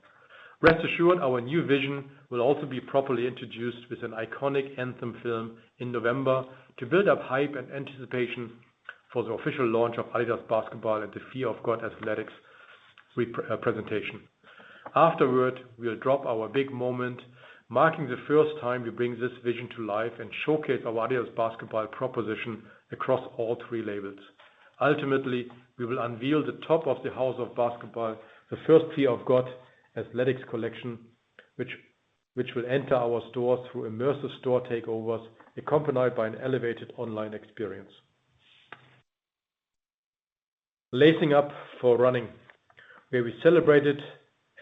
[SPEAKER 3] Rest assured, our new vision will also be properly introduced with an iconic anthem film in November to build up hype and anticipation for the official launch of adidas Basketball at the Fear of God Athletics presentation. Afterward, we'll drop our big moment, marking the first time we bring this vision to life and showcase our adidas Basketball proposition across all three labels. Ultimately, we will unveil the top of the house of basketball, the first Fear of God Athletics collection, which will enter our stores through immersive store takeovers, accompanied by an elevated online experience. Lacing up for running, where we celebrated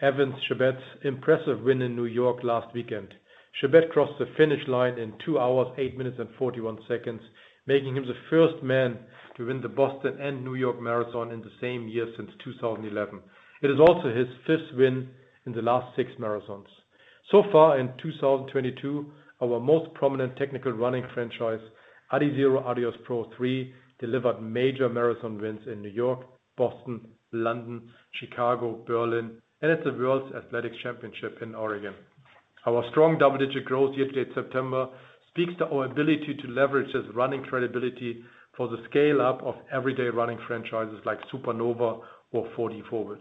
[SPEAKER 3] Evans Chebet's impressive win in New York last weekend. Chebet crossed the finish line in two hours, eight minutes and 41 seconds, making him the first man to win the Boston and New York Marathon in the same year since 2011. It is also his fifth win in the last six marathons. So far in 2022, our most prominent technical running franchise, Adizero Adios Pro 3, delivered major marathon wins in New York, Boston, London, Chicago, Berlin, and at the World Athletics Championships in Oregon. Our strong double-digit growth year to September speaks to our ability to leverage this running credibility for the scale-up of everyday running franchises like Supernova or 4DFWD.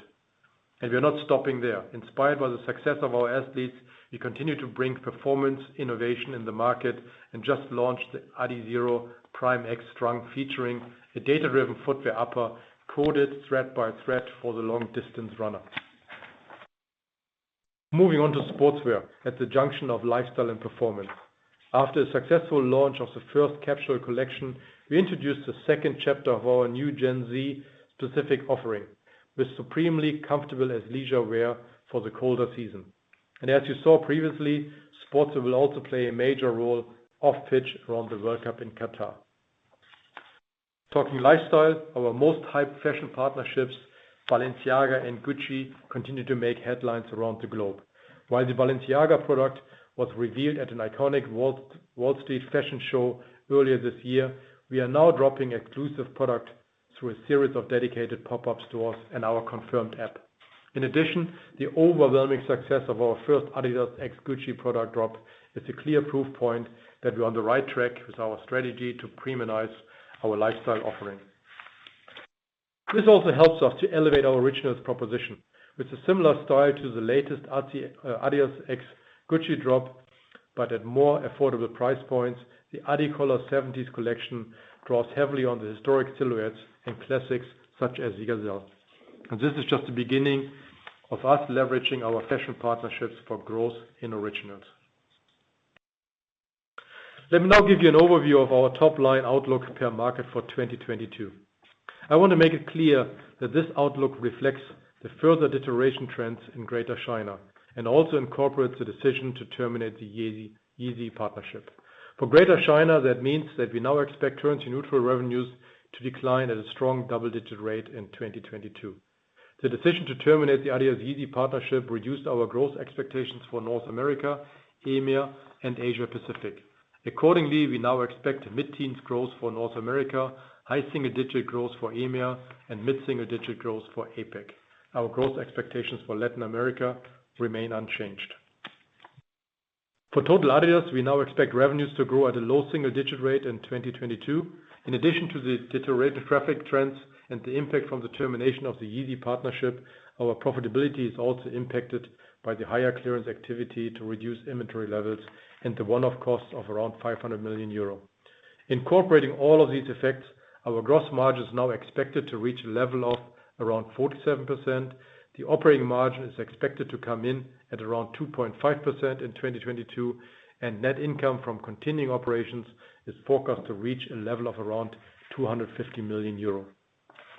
[SPEAKER 3] We're not stopping there. Inspired by the success of our athletes, we continue to bring performance innovation in the market and just launched the Adizero Prime X Strung, featuring a data-driven footwear upper coded thread by thread for the long-distance runner. Moving on to sportswear at the junction of lifestyle and performance. After a successful launch of the first capsule collection, we introduced the second chapter of our new Gen Z specific offering with supremely comfortable as leisure wear for the colder season. As you saw previously, sportswear will also play a major role off-pitch around the World Cup in Qatar. Talking lifestyle, our most hyped fashion partnerships, Balenciaga and Gucci, continue to make headlines around the globe. While the Balenciaga product was revealed at an iconic Wall Street fashion show earlier this year, we are now dropping exclusive product through a series of dedicated pop-up stores and our CONFIRMED app. In addition, the overwhelming success of our first adidas x Gucci product drop is a clear proof point that we're on the right track with our strategy to premiumize our lifestyle offering. This also helps us to elevate our Originals proposition with a similar style to the latest adidas x Gucci drop, but at more affordable price points. The Adicolor 70s collection draws heavily on the historic silhouettes and classics such as the Gazelle. This is just the beginning of us leveraging our fashion partnerships for growth in Originals. Let me now give you an overview of our top-line outlook per market for 2022. I want to make it clear that this outlook reflects the further deterioration trends in Greater China and also incorporates the decision to terminate the Yeezy partnership. For Greater China, that means that we now expect currency neutral revenues to decline at a strong double-digit rate in 2022. The decision to terminate the adidas Yeezy partnership reduced our growth expectations for North America, EMEA, and Asia Pacific. Accordingly, we now expect mid-teens growth for North America, high single-digit growth for EMEA, and mid-single digit growth for APAC. Our growth expectations for Latin America remain unchanged. For total adidas, we now expect revenues to grow at a low single-digit rate in 2022. In addition to the deteriorated traffic trends and the impact from the termination of the Yeezy partnership, our profitability is also impacted by the higher clearance activity to reduce inventory levels and the one-off cost of around 500 million euro. Incorporating all of these effects, our gross margin is now expected to reach a level of around 47%. The operating margin is expected to come in at around 2.5% in 2022, and net income from continuing operations is forecast to reach a level of around 250 million euro.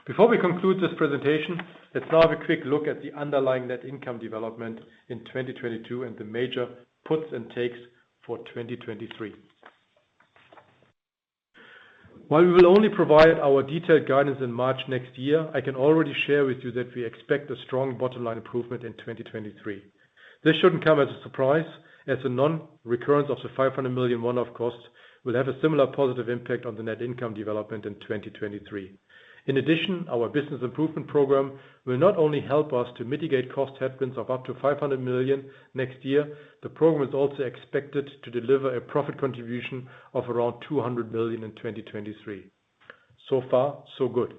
[SPEAKER 3] Before we conclude this presentation, let's now have a quick look at the underlying net income development in 2022 and the major puts and takes for 2023. While we will only provide our detailed guidance in March next year, I can already share with you that we expect a strong bottom-line improvement in 2023. This shouldn't come as a surprise, as the non-recurrence of the 500 million one-off cost will have a similar positive impact on the net income development in 2023. In addition, our business improvement program will not only help us to mitigate cost headwinds of up to 500 million next year, the program is also expected to deliver a profit contribution of around 200 million in 2023. So far, so good.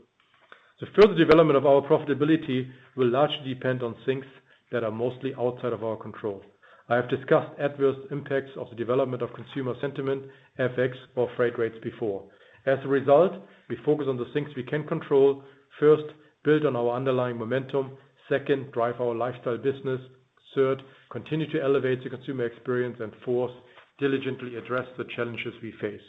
[SPEAKER 3] The further development of our profitability will largely depend on things that are mostly outside of our control. I have discussed adverse impacts of the development of consumer sentiment, FX or freight rates before. As a result, we focus on the things we can control. First, build on our underlying momentum. Second, drive our lifestyle business. Third, continue to elevate the consumer experience. Fourth, diligently address the challenges we face.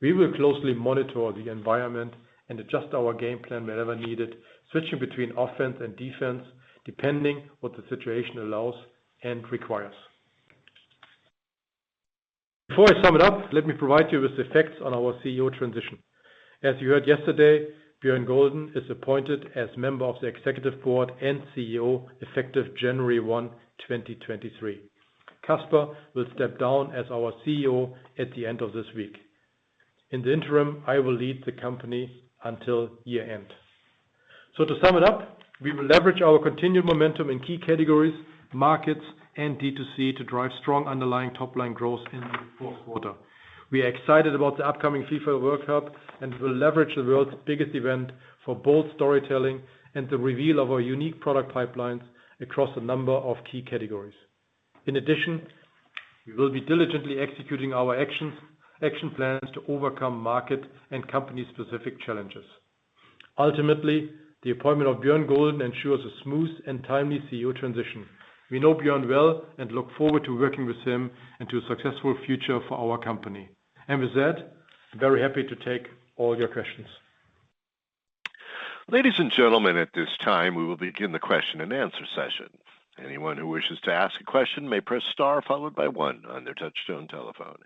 [SPEAKER 3] We will closely monitor the environment and adjust our game plan whenever needed, switching between offense and defense, depending what the situation allows and requires. Before I sum it up, let me provide you with the effects on our CEO transition. As you heard yesterday, Bjørn Gulden is appointed as member of the executive board and CEO effective January 1, 2023. Kasper will step down as our CEO at the end of this week. In the interim, I will lead the company until year-end. To sum it up, we will leverage our continued momentum in key categories, markets, and D2C to drive strong underlying top line growth in the fourth quarter. We are excited about the upcoming FIFA World Cup and will leverage the world's biggest event for bold storytelling and the reveal of our unique product pipelines across a number of key categories. In addition, we will be diligently executing our actions, action plans to overcome market and company-specific challenges. Ultimately, the appointment of Bjørn Gulden ensures a smooth and timely CEO transition. We know Bjørn well and look forward to working with him and to a successful future for our company. With that, I'm very happy to take all your questions.
[SPEAKER 4] Ladies and gentlemen, at this time, we will begin the question and answer session. Anyone who wishes to ask a question may press star followed by one on their touchtone telephone.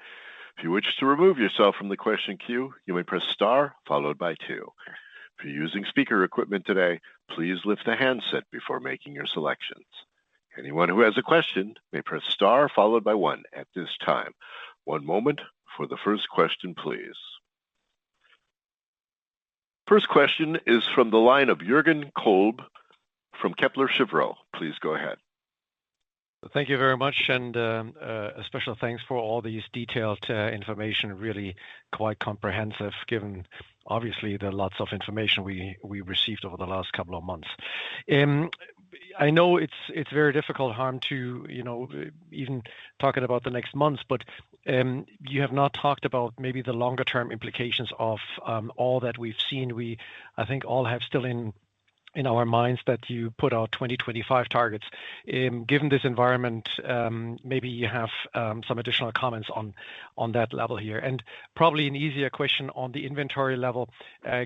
[SPEAKER 4] If you wish to remove yourself from the question queue, you may press star followed by two. If you're using speaker equipment today, please lift the handset before making your selections. Anyone who has a question may press star followed by one at this time. One moment for the first question, please. First question is from the line of Jürgen Kolb from Kepler Cheuvreux. Please go ahead.
[SPEAKER 5] Thank you very much and a special thanks for all these detailed information. Really quite comprehensive given obviously the lots of information we received over the last couple of months. I know it's very difficult, Harm, to you know even talking about the next months, but you have not talked about maybe the longer term implications of all that we've seen. I think all have still in our minds that you put our 2025 targets. Given this environment, maybe you have some additional comments on that level here. Probably an easier question on the inventory level.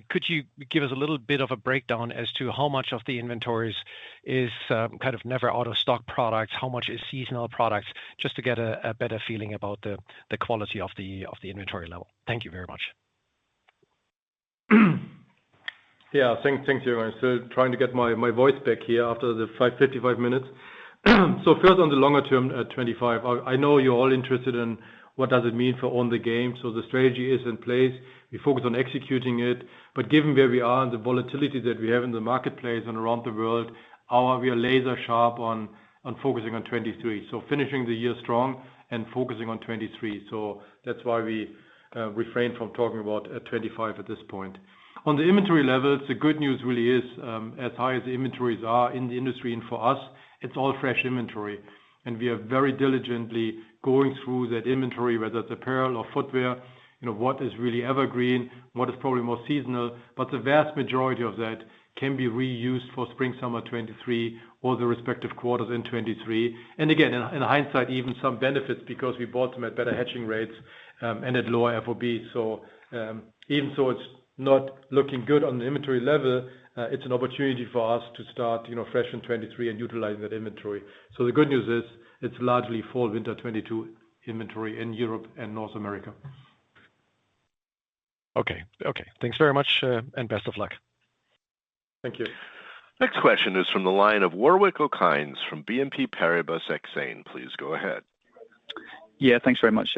[SPEAKER 5] Could you give us a little bit of a breakdown as to how much of the inventories is kind of never out of stock products? How much is seasonal products? Just to get a better feeling about the quality of the inventory level. Thank you very much.
[SPEAKER 3] Yeah. Thank you. I'm still trying to get my voice back here after the 55 minutes. First, on the longer term, 2025, I know you're all interested in what it means for Own the Game. The strategy is in place. We focus on executing it. Given where we are and the volatility that we have in the marketplace and around the world, we are laser sharp on focusing on 2023. Finishing the year strong and focusing on 2023. That's why we refrain from talking about 2025 at this point. On the inventory levels, the good news really is, as high as the inventories are in the industry and for us. It's all fresh inventory, and we are very diligently going through that inventory, whether it's apparel or footwear, you know, what is really evergreen, what is probably more seasonal. The vast majority of that can be reused for spring/summer 2023 or the respective quarters in 2023. Again, in hindsight, even some benefits because we bought them at better hedging rates, and at lower FOB. Even though it's not looking good on the inventory level, it's an opportunity for us to start, you know, fresh in 2023 and utilize that inventory. The good news is it's largely fall/winter 2022 inventory in Europe and North America.
[SPEAKER 5] Okay, thanks very much, and best of luck.
[SPEAKER 3] Thank you.
[SPEAKER 4] Next question is from the line of Warwick Okines from BNP Paribas Exane. Please go ahead.
[SPEAKER 6] Yeah, thanks very much,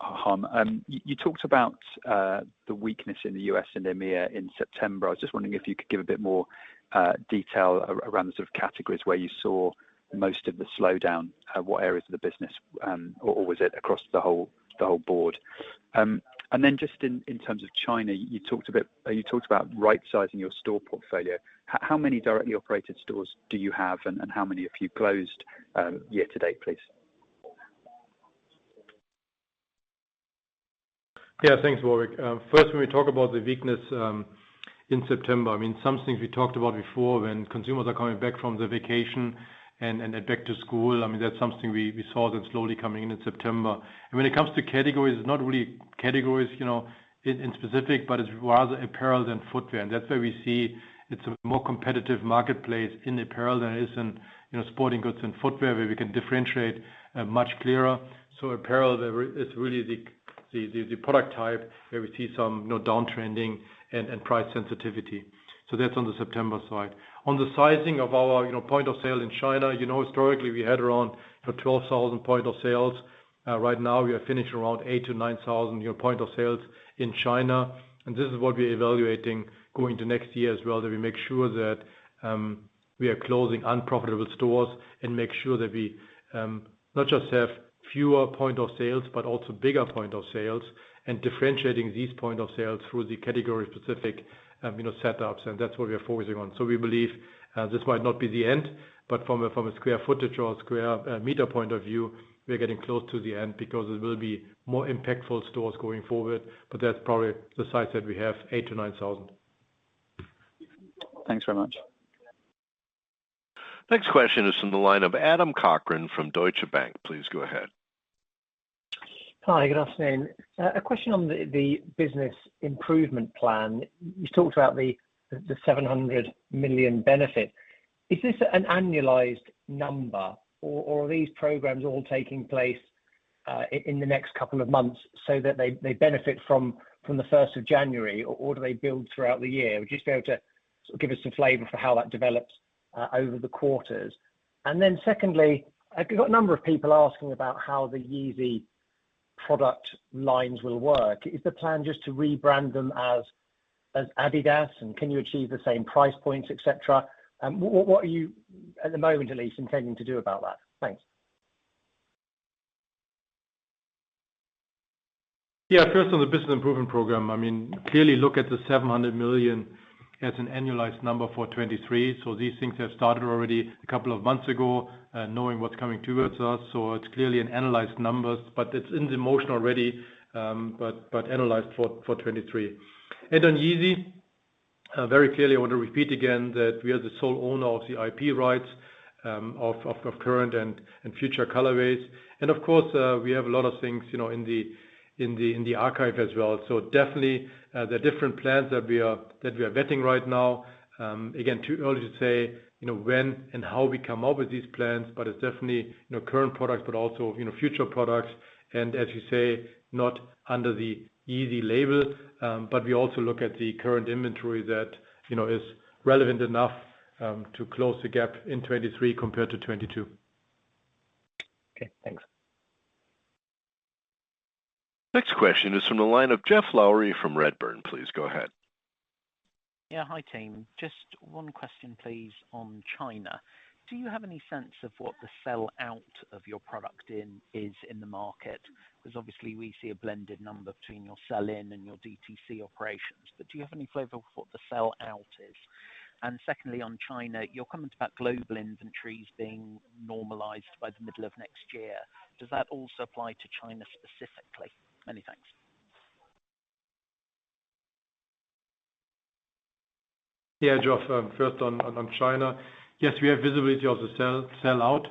[SPEAKER 6] Harm. You talked about the weakness in the US and EMEA in September. I was just wondering if you could give a bit more detail around the sort of categories where you saw most of the slowdown, what areas of the business, or was it across the whole board? And then just in terms of China, you talked about right-sizing your store portfolio. How many directly operated stores do you have and how many have you closed year to date, please?
[SPEAKER 3] Yeah, thanks, Warwick. First, when we talk about the weakness in September, I mean, some things we talked about before when consumers are coming back from their vacation and back to school, I mean, that's something we saw that slowly coming in in September. When it comes to categories, it's not really categories, you know, in specific, but it's rather apparel than footwear. That's where we see it's a more competitive marketplace in apparel than it is in sporting goods and footwear, where we can differentiate much clearer. Apparel there is really the product type where we see some downtrending and price sensitivity. That's on the September side. On the sizing of our point of sale in China, historically we had around 12,000 points of sale. Right now we are finishing around 8,000-9,000, you know, points of sale in China. This is what we're evaluating going to next year as well, that we make sure that we are closing unprofitable stores and make sure that we not just have fewer points of sale, but also bigger points of sale and differentiating these points of sale through the category-specific, you know, setups. That's what we are focusing on. We believe this might not be the end, but from a square footage or square meter point of view, we are getting close to the end because it will be more impactful stores going forward. That's probably the size that we have, 8,000-9,000.
[SPEAKER 6] Thanks very much.
[SPEAKER 4] Next question is from the line of Adam Cochrane from Deutsche Bank. Please go ahead.
[SPEAKER 7] Hi, good afternoon. A question on the business improvement plan. You talked about the 700 million benefit. Is this an annualized number or are these programs all taking place in the next couple of months so that they benefit from the first of January or do they build throughout the year? Would you be able to give us some flavor for how that develops over the quarters? Secondly, I've got a number of people asking about how the Yeezy product lines will work. Is the plan just to rebrand them as adidas, and can you achieve the same price points, et cetera? What are you, at the moment at least, intending to do about that? Thanks.
[SPEAKER 3] Yeah, first on the business improvement program, I mean, clearly look at the 700 million as an annualized number for 2023. These things have started already a couple of months ago, knowing what's coming towards us. It's clearly an annualized numbers, but it's in the motion already, but annualized for 2023. On Yeezy, very clearly, I want to repeat again that we are the sole owner of the IP rights, of current and future colorways. Of course, we have a lot of things, you know, in the archive as well. Definitely, the different plans that we are vetting right now, again, too early to say, you know, when and how we come up with these plans, but it's definitely, you know, current products, but also, you know, future products. As you say, not under the Yeezy label, but we also look at the current inventory that, you know, is relevant enough to close the gap in 2023 compared to 2022.
[SPEAKER 7] Okay, thanks.
[SPEAKER 4] Next question is from the line of Geoff Lowery from Redburn. Please go ahead.
[SPEAKER 8] Yeah, hi, team. Just one question, please, on China. Do you have any sense of what the sell-out of your product in China is in the market? Because obviously we see a blended number between your sell-in and your DTC operations. Do you have any flavor of what the sell-out is? Secondly, on China, your comment about global inventories being normalized by the middle of next year, does that also apply to China specifically? Many thanks.
[SPEAKER 3] Yeah, Jeff, first on China. Yes, we have visibility of the sell out.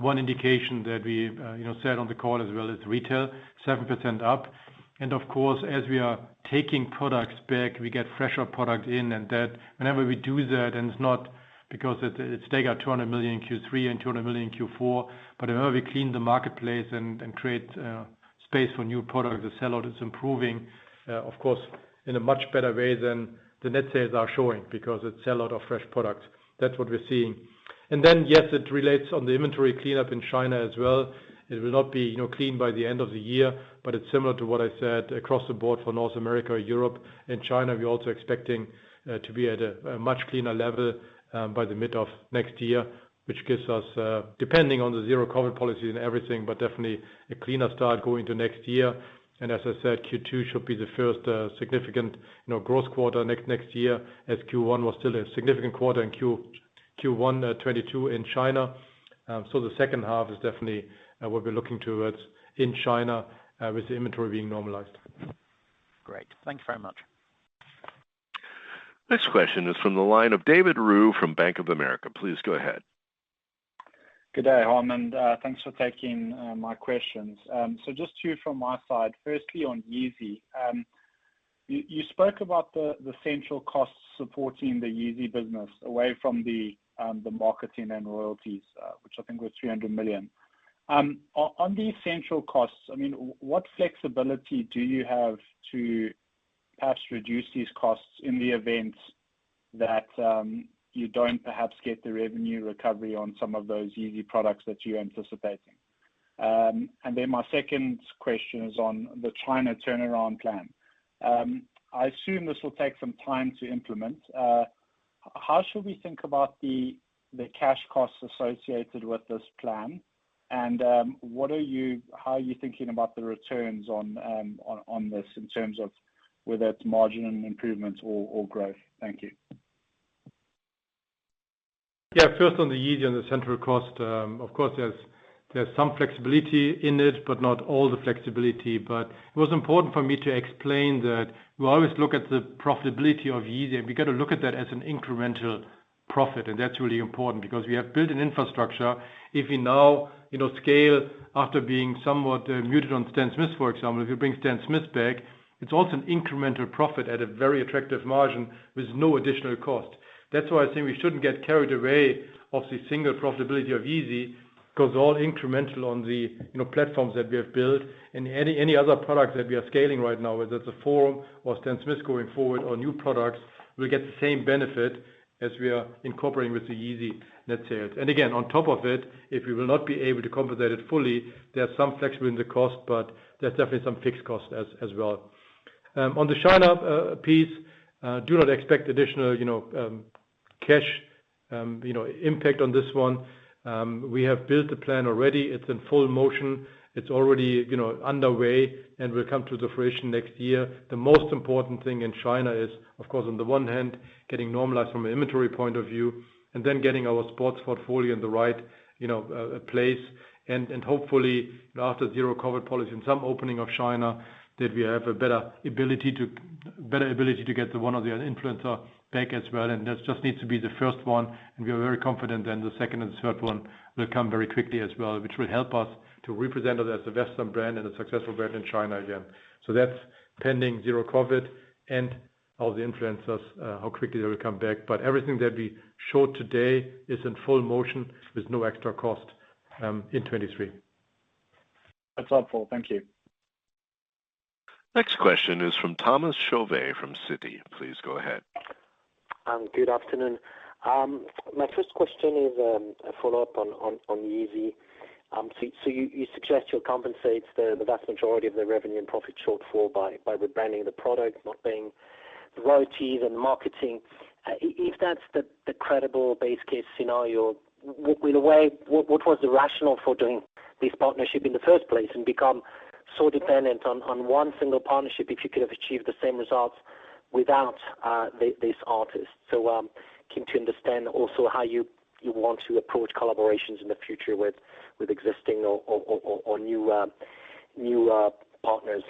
[SPEAKER 3] One indication that we you know said on the call as well is retail 7% up. Of course, as we are taking products back, we get fresher product in and that whenever we do that, and it's not because it's take out 200 million in Q3 and 200 million in Q4, but whenever we clean the marketplace and create space for new product, the sellout is improving of course in a much better way than the net sales are showing because it's sellout of fresh products. That's what we're seeing. Yes, it relates on the inventory cleanup in China as well. It will not be, you know, clean by the end of the year, but it's similar to what I said across the board for North America, Europe and China. We're also expecting to be at a much cleaner level by the mid of next year, which gives us, depending on the zero COVID policy and everything, but definitely a cleaner start going to next year. As I said, Q2 should be the first significant, you know, growth quarter next year, as Q1 was still a significant quarter and Q1 2022 in China. The second half is definitely what we're looking towards in China with the inventory being normalized.
[SPEAKER 8] Great. Thank you very much.
[SPEAKER 4] Next question is from the line of David Roux from Bank of America. Please go ahead.
[SPEAKER 9] Good day, Harm, and thanks for taking my questions. Just two from my side. Firstly, on Yeezy. You spoke about the central costs supporting the Yeezy business away from the marketing and royalties, which I think was 300 million. On the essential costs, I mean, what flexibility do you have to perhaps reduce these costs in the event that you don't perhaps get the revenue recovery on some of those Yeezy products that you're anticipating? Then my second question is on the China turnaround plan. I assume this will take some time to implement. How should we think about the cash costs associated with this plan? How are you thinking about the returns on this in terms of whether it's margin improvements or growth? Thank you.
[SPEAKER 3] Yeah. First, on the Yeezy and the central cost, of course, there's some flexibility in it, but not all the flexibility. It was important for me to explain that we always look at the profitability of Yeezy, and we gotta look at that as an incremental profit, and that's really important because we have built an infrastructure. If we now, you know, scale after being somewhat muted on Stan Smith, for example, if you bring Stan Smith back, it's also an incremental profit at a very attractive margin with no additional cost. That's why I think we shouldn't get carried away of the single profitability of Yeezy 'cause all incremental on the, you know, platforms that we have built and any other products that we are scaling right now, whether it's the Forum or Stan Smith going forward or new products, will get the same benefit as we are incorporating with the Yeezy net sales. Again, on top of it, if we will not be able to compensate it fully, there's some flexibility in the cost, but there's definitely some fixed costs as well. On the China piece, do not expect additional, you know, cash, you know, impact on this one. We have built the plan already. It's in full motion. It's already, you know, underway and will come to fruition next year. The most important thing in China is, of course, on the one hand, getting normalized from an inventory point of view, and then getting our sports portfolio in the right, you know, place. Hopefully after zero COVID policy and some opening of China, that we have a better ability to get the one or the other influencer back as well. That just needs to be the first one, and we are very confident then the second and the third one will come very quickly as well, which will help us to represent us as a Western brand and a successful brand in China again. That's pending zero COVID and all the influencers, how quickly they will come back. Everything that we showed today is in full motion with no extra cost in 2023.
[SPEAKER 9] That's helpful. Thank you.
[SPEAKER 4] Next question is from Thomas Chauvet from Citi. Please go ahead.
[SPEAKER 10] Good afternoon. My first question is a follow-up on Yeezy. You suggest you'll compensate the vast majority of the revenue and profit shortfall by rebranding the product, not paying the royalties and marketing. If that's the credible base case scenario, what was the rationale for doing this partnership in the first place and become so dependent on one single partnership if you could have achieved the same results without this artist? Keen to understand also how you want to approach collaborations in the future with existing or new partners.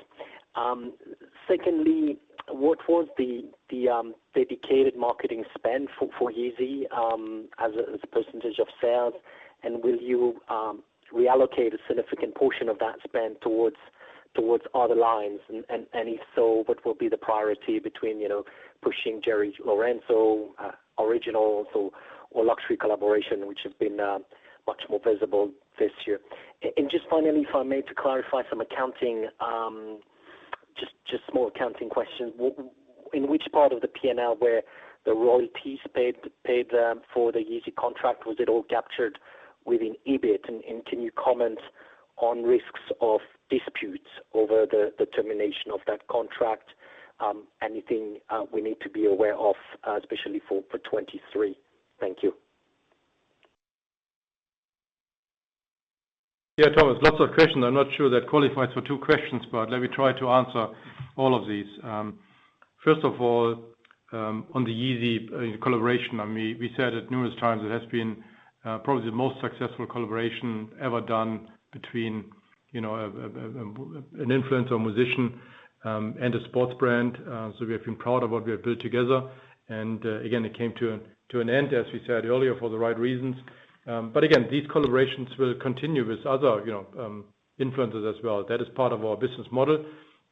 [SPEAKER 10] Secondly, what was the dedicated marketing spend for Yeezy as a percentage of sales? Will you reallocate a significant portion of that spend towards other lines? If so, what will be the priority between, you know, pushing Jerry Lorenzo, original or luxury collaboration, which have been much more visible this year? Just finally, if I may, to clarify some accounting, just small accounting question. In which part of the P&L were the royalties paid for the Yeezy contract captured within EBIT? Can you comment on risks of disputes over the termination of that contract? Anything we need to be aware of, especially for 2023? Thank you.
[SPEAKER 3] Yeah. Thomas, lots of questions. I'm not sure that qualifies for two questions, but let me try to answer all of these. First of all, on the Yeezy collaboration, I mean, we said it numerous times, it has been probably the most successful collaboration ever done between, you know, an influencer musician, and a sports brand. So we have been proud of what we have built together. Again, it came to an end, as we said earlier, for the right reasons. But again, these collaborations will continue with other, you know, influencers as well. That is part of our business model.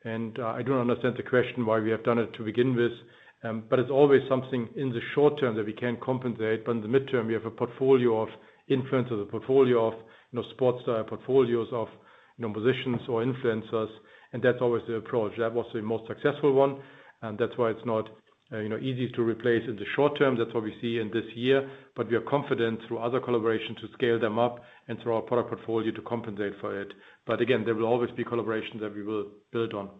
[SPEAKER 3] I don't understand the question why we have done it to begin with. But it's always something in the short term that we can compensate. In the midterm, we have a portfolio of influencers, a portfolio of, you know, sports, portfolios of, you know, musicians or influencers, and that's always the approach. That was the most successful one, and that's why it's not, you know, easy to replace in the short term. That's what we see in this year. We are confident through other collaborations to scale them up and through our product portfolio to compensate for it. Again, there will always be collaborations that we will build on.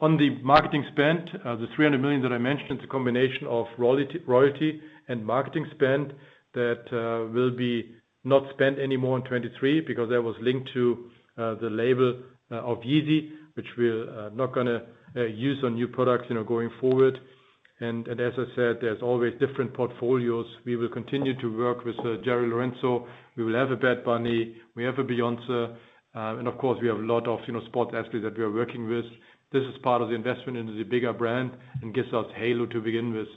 [SPEAKER 3] On the marketing spend, the 300 million that I mentioned, it's a combination of royalty and marketing spend that will be not spent any more in 2023 because that was linked to the label of Yeezy, which we're not gonna use on new products, you know, going forward. As I said, there's always different portfolios. We will continue to work with Jerry Lorenzo. We will have a Bad Bunny, we have a Beyoncé, and of course, we have a lot of sports athletes that we are working with. This is part of the investment into the bigger brand and gives us halo to begin with.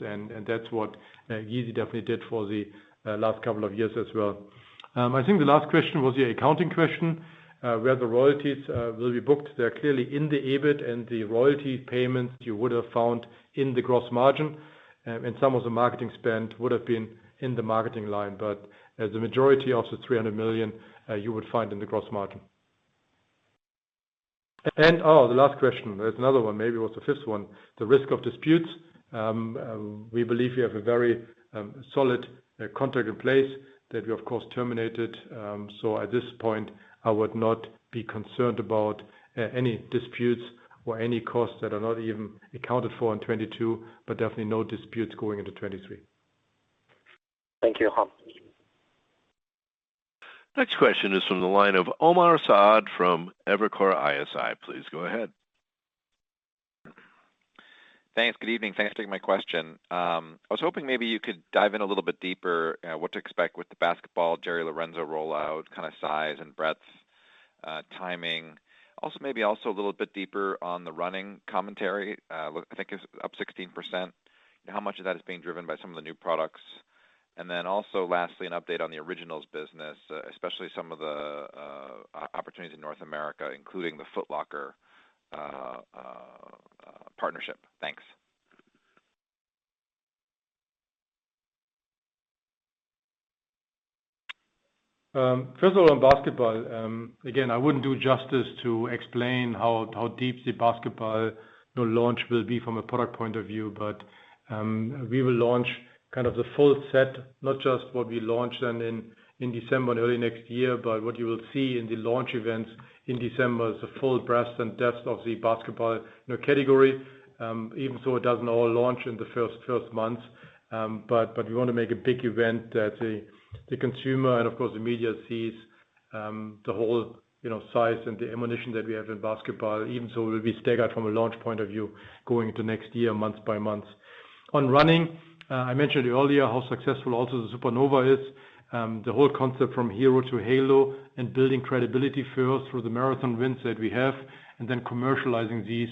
[SPEAKER 3] That's what Yeezy definitely did for the last couple of years as well. I think the last question was the accounting question, where the royalties will be booked. They're clearly in the EBIT and the royalty payments you would have found in the gross margin. Some of the marketing spend would've been in the marketing line, but the majority of the 300 million you would find in the gross margin. Oh, the last question. There's another one. Maybe it was the fifth one, the risk of disputes. We believe we have a very solid contract in place that we of course terminated. So at this point, I would not be concerned about any disputes or any costs that are not even accounted for in 2022, but definitely no disputes going into 2023.
[SPEAKER 10] Thank you, Harm.
[SPEAKER 4] Next question is from the line of Omar Saad from Evercore ISI. Please go ahead.
[SPEAKER 11] Thanks. Good evening. Thanks for taking my question. I was hoping maybe you could dive in a little bit deeper, what to expect with the basketball Jerry Lorenzo rollout, kind of size and breadth, timing. Also, maybe a little bit deeper on the running commentary, I think it's up 16%. How much of that is being driven by some of the new products? Then also, lastly, an update on the Originals business, especially some of the opportunities in North America, including the Foot Locker partnership. Thanks.
[SPEAKER 3] First of all, on basketball, again, I wouldn't do justice to explain how deep the basketball, you know, launch will be from a product point of view. We will launch kind of the full set, not just what we launched then in December and early next year. What you will see in the launch events in December is the full breadth and depth of the basketball, you know, category, even though it doesn't all launch in the first months. We wanna make a big event that the consumer and of course the media sees the whole, you know, size and the ammunition that we have in basketball. Even so, it will be staggered from a launch point of view going into next year, month by month. On running, I mentioned to you earlier how successful also the Supernova is. The whole concept from hero to halo and building credibility first through the marathon wins that we have, and then commercializing these,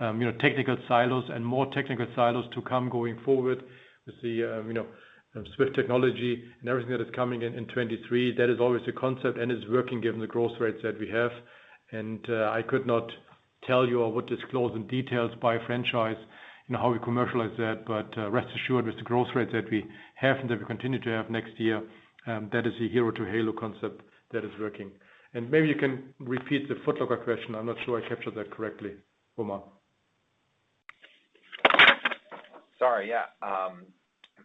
[SPEAKER 3] you know, technical silos and more technical silos to come going forward with the, you know, Lightstrike technology and everything that is coming in 2023. That is always the concept and is working given the growth rates that we have. I could not tell you or would disclose in details by franchise, you know, how we commercialize that. Rest assured, with the growth rates that we have and that we continue to have next year, that is a hero to halo concept that is working. Maybe you can repeat the Foot Locker question. I'm not sure I captured that correctly, Omar.
[SPEAKER 11] Sorry. Yeah.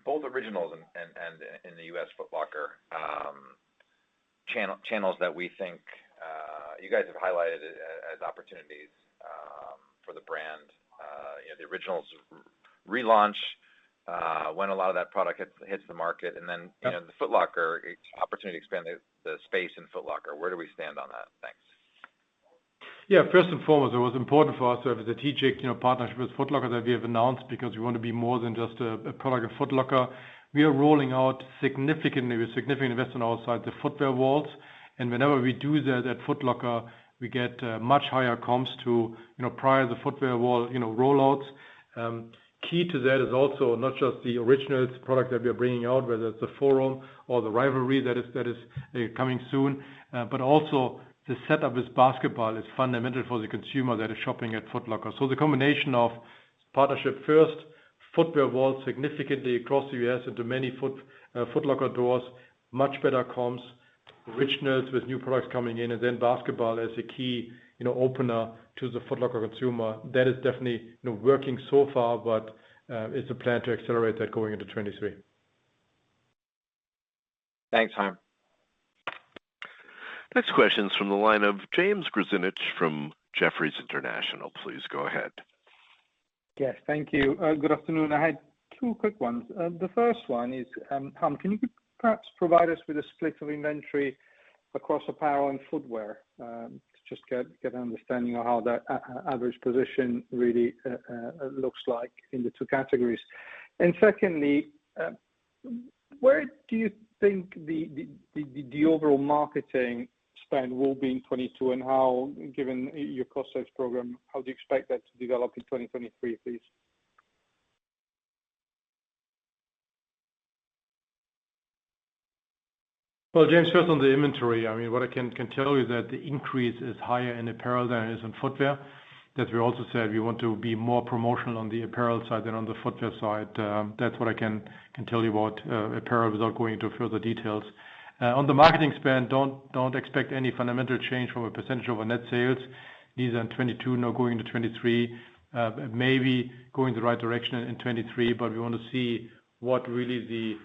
[SPEAKER 11] Both Originals and in the U.S. Foot Locker channels that we think you guys have highlighted as opportunities for the brand. You know, the Originals relaunch when a lot of that product hits the market, and then
[SPEAKER 3] Yep.
[SPEAKER 11] You know, the Foot Locker opportunity to expand the space in Foot Locker. Where do we stand on that? Thanks.
[SPEAKER 3] Yeah. First and foremost, it was important for us to have a strategic, you know, partnership with Foot Locker that we have announced because we want to be more than just a product of Foot Locker. We are rolling out significantly, with significant investment outside the footwear walls. Whenever we do that at Foot Locker, we get much higher comps to, you know, prior to the footwear wall, you know, rollouts. Key to that is also not just the Originals product that we are bringing out, whether it's the Forum or the Rivalry that is coming soon, but also the setup is basketball is fundamental for the consumer that is shopping at Foot Locker. The combination of partnership first, footwear sales significantly across the US into many Foot Locker doors, much better comps, richness with new products coming in, and then basketball as a key, you know, opener to the Foot Locker consumer. That is definitely, you know, working so far, but it's a plan to accelerate that going into 2023.
[SPEAKER 11] Thanks, Harm.
[SPEAKER 4] Next question is from the line of James Grzinic from Jefferies International. Please go ahead.
[SPEAKER 12] Yes, thank you. Good afternoon. I had two quick ones. The first one is, Harm, can you perhaps provide us with a split of inventory across apparel and footwear? To just get an understanding of how that average position really looks like in the two categories. Secondly, where do you think the overall marketing spend will be in 2022, and how, given your cost savings program, how do you expect that to develop in 2023, please?
[SPEAKER 3] Well, James, first on the inventory, I mean, what I can tell you is that the increase is higher in apparel than it is in footwear. That we also said we want to be more promotional on the apparel side than on the footwear side. That's what I can tell you about apparel without going into further details. On the marketing spend, don't expect any fundamental change from a percentage of our net sales, neither in 2022 nor going into 2023. Maybe going the right direction in 2023, but we wanna see what really the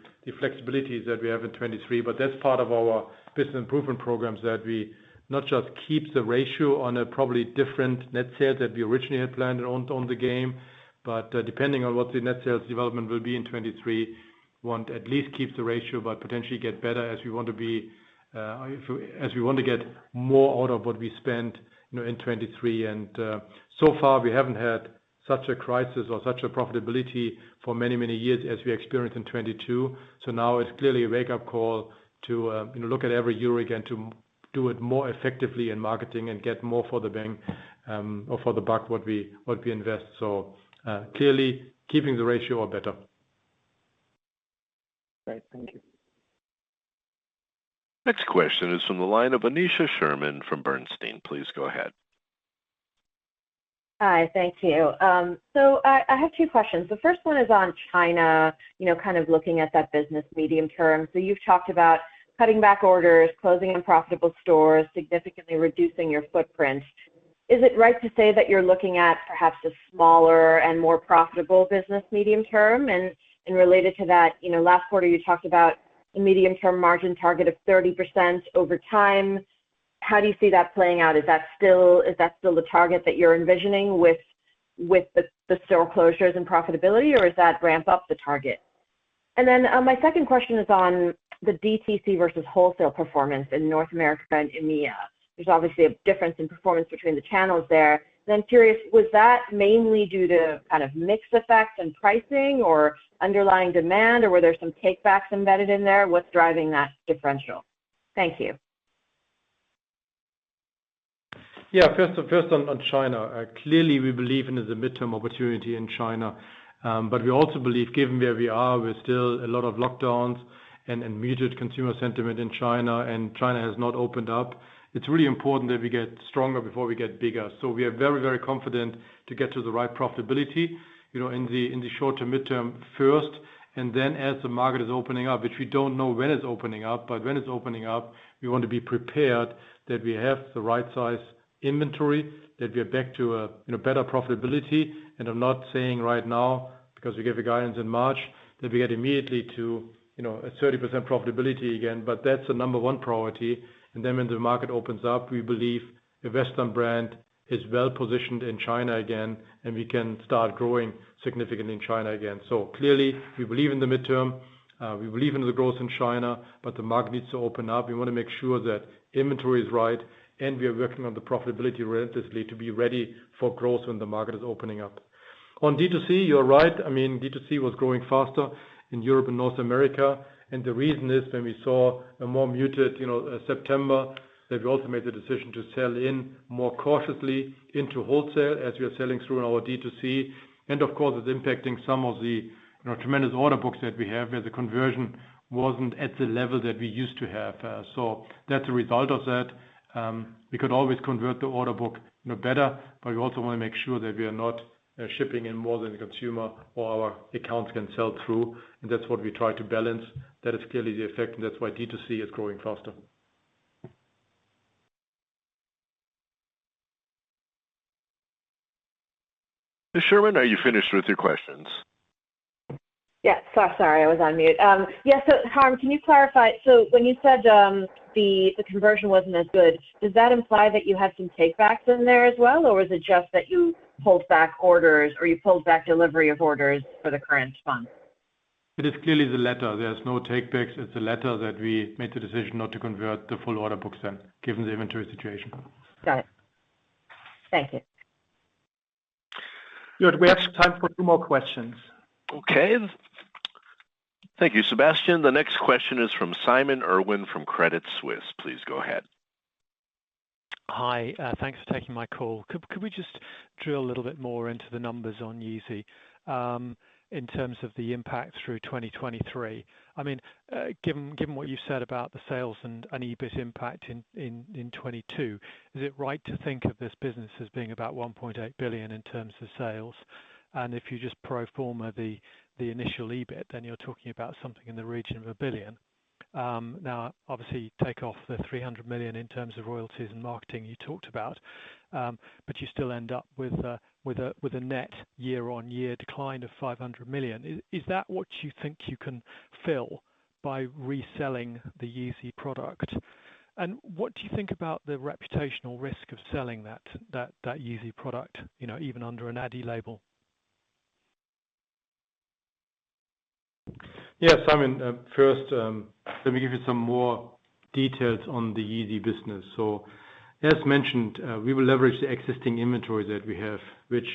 [SPEAKER 3] flexibility is that we have in 2023. That's part of our business improvement programs, that we not just keep the ratio on a probably different net sales than we originally had planned on Own the Game. depending on what the net sales development will be in 2023, we want to at least keep the ratio, but potentially get better as we want to be as we want to get more out of what we spend, you know, in 2023. So far, we haven't had such a crisis or such a profitability for many, many years as we experienced in 2022. Now it's clearly a wake-up call to, you know, look at every euro again to do it more effectively in marketing and get more for the bang or for the buck, what we invest. Clearly keeping the ratio or better.
[SPEAKER 12] Great. Thank you.
[SPEAKER 4] Next question is from the line of Aneesha Sherman from Bernstein. Please go ahead.
[SPEAKER 13] Hi. Thank you. I have two questions. The first one is on China, you know, kind of looking at that business medium term. You've talked about cutting back orders, closing unprofitable stores, significantly reducing your footprint. Is it right to say that you're looking at perhaps a smaller and more profitable business medium term? And related to that, you know, last quarter, you talked about a medium-term margin target of 30% over time. How do you see that playing out? Is that still the target that you're envisioning with the store closures and profitability, or does that ramp up the target? My second question is on the DTC versus wholesale performance in North America and EMEA. There's obviously a difference in performance between the channels there. I'm curious, was that mainly due to kind of mixed effects and pricing or underlying demand, or were there some takebacks embedded in there? What's driving that differential? Thank you.
[SPEAKER 3] Yeah. First on China. Clearly we believe in the midterm opportunity in China, but we also believe, given where we are with still a lot of lockdowns and muted consumer sentiment in China, and China has not opened up, it's really important that we get stronger before we get bigger. We are very confident to get to the right profitability, you know, in the short to midterm first, and then as the market is opening up, which we don't know when it's opening up, but when it's opening up, we want to be prepared that we have the right size inventory, that we are back to a, you know, better profitability. I'm not saying right now 'cause we gave the guidance in March that we get immediately to, you know, a 30% profitability again. That's the number one priority. When the market opens up, we believe the Western brand is well-positioned in China again and we can start growing significantly in China again. Clearly we believe in the midterm, we believe in the growth in China, but the market needs to open up. We wanna make sure that inventory is right and we are working on the profitability relentlessly to be ready for growth when the market is opening up. On DTC, you're right. I mean, DTC was growing faster in Europe and North America, and the reason is when we saw a more muted, you know, September, that we also made the decision to sell in more cautiously into wholesale as we are selling through in our DTC. Of course it's impacting some of the, you know, tremendous order books that we have where the conversion wasn't at the level that we used to have. So that's a result of that. We could always convert the order book, you know, better, but we also wanna make sure that we are not shipping in more than the consumer or our accounts can sell through. That's what we try to balance. That is clearly the effect, and that's why DTC is growing faster.
[SPEAKER 4] Ms. Sherman, are you finished with your questions?
[SPEAKER 13] Yeah. Sorry, I was on mute. Yeah. Harm, can you clarify? When you said the conversion wasn't as good, does that imply that you had some takebacks in there as well? Or was it just that you pulled back orders or you pulled back delivery of orders for the current fund?
[SPEAKER 3] It is clearly the latter. There's no takebacks. It's the latter that we made the decision not to convert the full order books then, given the inventory situation.
[SPEAKER 13] Got it. Thank you.
[SPEAKER 1] Good. We have time for two more questions.
[SPEAKER 4] Okay. Thank you, Sebastian. The next question is from Simon Irwin from Credit Suisse. Please go ahead.
[SPEAKER 14] Hi. Thanks for taking my call. Could we just drill a little bit more into the numbers on Yeezy, in terms of the impact through 2023? I mean, given what you've said about the sales and EBIT impact in 2022, is it right to think of this business as being about 1.8 billion in terms of sales? If you just pro forma the initial EBIT, then you're talking about something in the region of 1 billion. Now obviously take off the 300 million in terms of royalties and marketing you talked about, but you still end up with a net year-on-year decline of 500 million. Is that what you think you can fill by reselling the Yeezy product? What do you think about the reputational risk of selling that Yeezy product, you know, even under an adidas label?
[SPEAKER 3] Yeah. Simon, first, let me give you some more details on the Yeezy business. As mentioned, we will leverage the existing inventory that we have, which,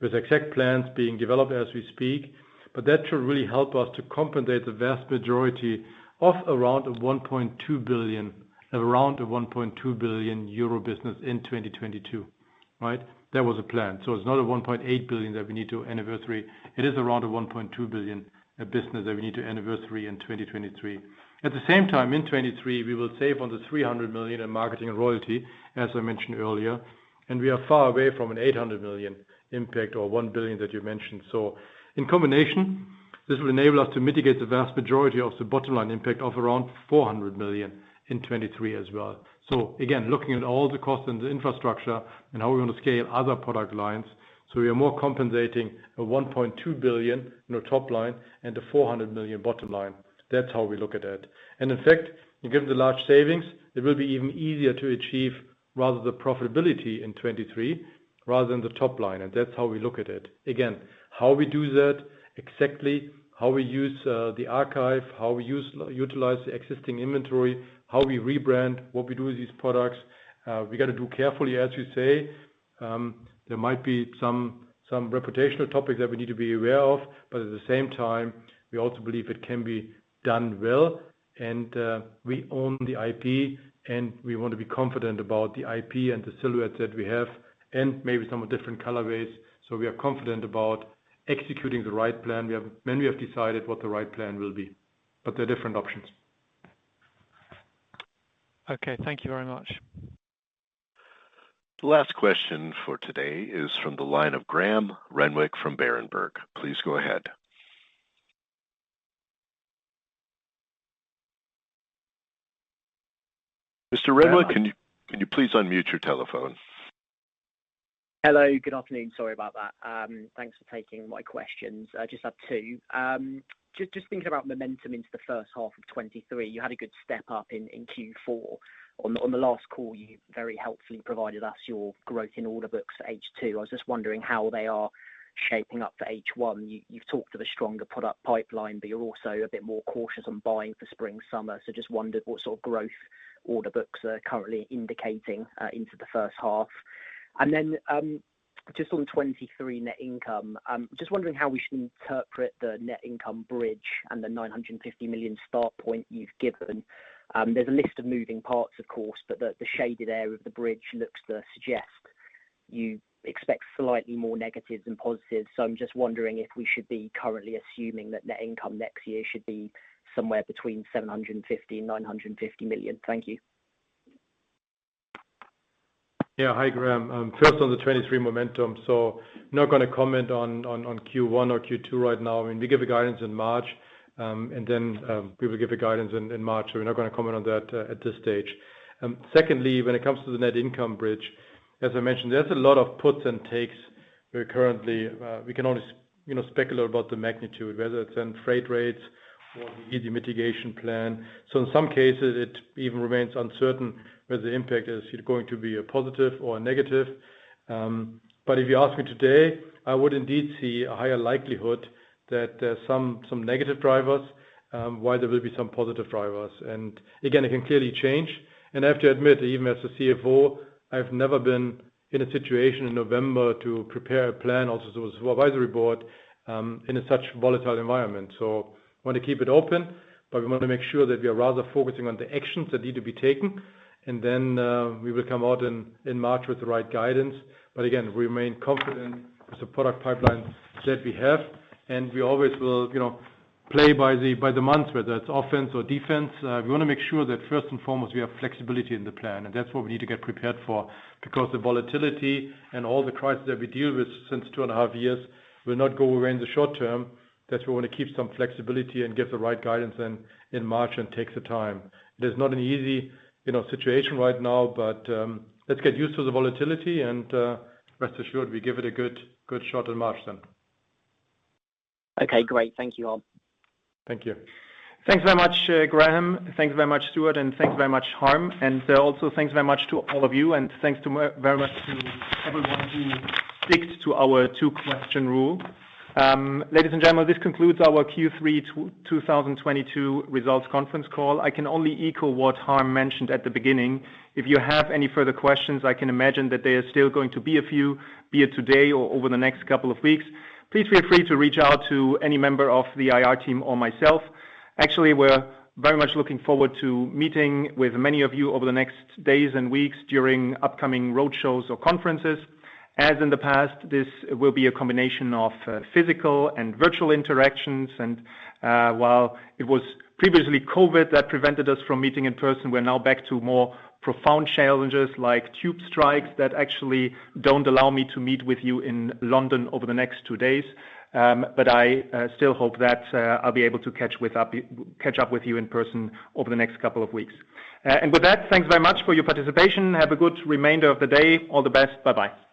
[SPEAKER 3] with exact plans being developed as we speak. That should really help us to compensate the vast majority of around 1.2 billion, around a 1.2 billion euro business in 2022, right? That was the plan. It's not a 1.8 billion that we need to anniversary. It is around a 1.2 billion business that we need to anniversary in 2023. At the same time, in 2023, we will save on the 300 million in marketing and royalty, as I mentioned earlier. We are far away from an 800 million impact or 1 billion that you mentioned. In combination, this will enable us to mitigate the vast majority of the bottom line impact of around 400 million in 2023 as well. Again, looking at all the costs and the infrastructure and how we're gonna scale other product lines, so we are more compensating a 1.2 billion in the top line and the 400 million bottom line. That's how we look at it. In fact, given the large savings, it will be even easier to achieve rather the profitability in 2023 rather than the top line. That's how we look at it. Again, how we do that exactly, how we use the archive, how we utilize the existing inventory, how we rebrand, what we do with these products, we gotta do carefully, as you say. There might be some reputational topics that we need to be aware of, but at the same time, we also believe it can be done well. We own the IP, and we want to be confident about the IP and the silhouettes that we have and maybe some of different colorways. We are confident about executing the right plan. When we have decided what the right plan will be, but there are different options.
[SPEAKER 14] Okay, thank you very much.
[SPEAKER 4] The last question for today is from the line of Graham Renwick from Berenberg. Please go ahead. Mr. Renwick, can you please unmute your telephone?
[SPEAKER 15] Hello, good afternoon. Sorry about that. Thanks for taking my questions. I just have two. Just thinking about momentum into the first half of 2023. You had a good step up in Q4. On the last call, you very helpfully provided us your growth in order books H2. I was just wondering how they are shaping up for H1. You've talked of a stronger product pipeline, but you're also a bit more cautious on buying for spring/summer. So just wondered what sort of growth order books are currently indicating into the first half. Just on 2023 net income, just wondering how we should interpret the net income bridge and the 950 million start point you've given. There's a list of moving parts, of course, but the shaded area of the bridge looks to suggest you expect slightly more negatives than positives. I'm just wondering if we should be currently assuming that net income next year should be somewhere between 750 million and 950 million. Thank you.
[SPEAKER 3] Yeah. Hi, Graham. First on the 2023 momentum. Not gonna comment on Q1 or Q2 right now. I mean, we give the guidance in March, and then we will give the guidance in March. We're not gonna comment on that at this stage. Secondly, when it comes to the net income bridge, as I mentioned, there's a lot of puts and takes we can only you know, speculate about the magnitude, whether it's in freight rates or the easy mitigation plan. In some cases it even remains uncertain whether the impact is going to be a positive or a negative. If you ask me today, I would indeed see a higher likelihood that there's some negative drivers while there will be some positive drivers. Again, it can clearly change. I have to admit, even as the CFO, I've never been in a situation in November to prepare a plan also to advisory board in such a volatile environment. We wanna keep it open, but we wanna make sure that we are rather focusing on the actions that need to be taken. We will come out in March with the right guidance. We remain confident with the product pipeline that we have. We always will, you know, play by the month, whether it's offense or defense. We wanna make sure that first and foremost, we have flexibility in the plan and that's what we need to get prepared for. The volatility and all the crises that we deal with since two and a half years will not go away in the short term. That we wanna keep some flexibility and give the right guidance in March and take the time. There's not an easy, you know, situation right now, but let's get used to the volatility and rest assured we give it a good shot in March then.
[SPEAKER 15] Okay, great. Thank you, Harm.
[SPEAKER 3] Thank you.
[SPEAKER 1] Thanks very much, Graham. Thanks very much, Stuart, and thanks very much, Harm. Also thanks very much to all of you and thanks very much to everyone who sticks to our two question rule. Ladies and gentlemen, this concludes our Q3 2022 results conference call. I can only echo what Harm mentioned at the beginning. If you have any further questions, I can imagine that there are still going to be a few, be it today or over the next couple of weeks. Please feel free to reach out to any member of the IR team or myself. Actually, we're very much looking forward to meeting with many of you over the next days and weeks during upcoming roadshows or conferences. As in the past, this will be a combination of physical and virtual interactions. While it was previously COVID that prevented us from meeting in person, we're now back to more profound challenges like Tube strikes that actually don't allow me to meet with you in London over the next two days. I still hope that I'll be able to catch up with you in person over the next couple of weeks. With that, thanks very much for your participation. Have a good remainder of the day. All the best. Bye-bye.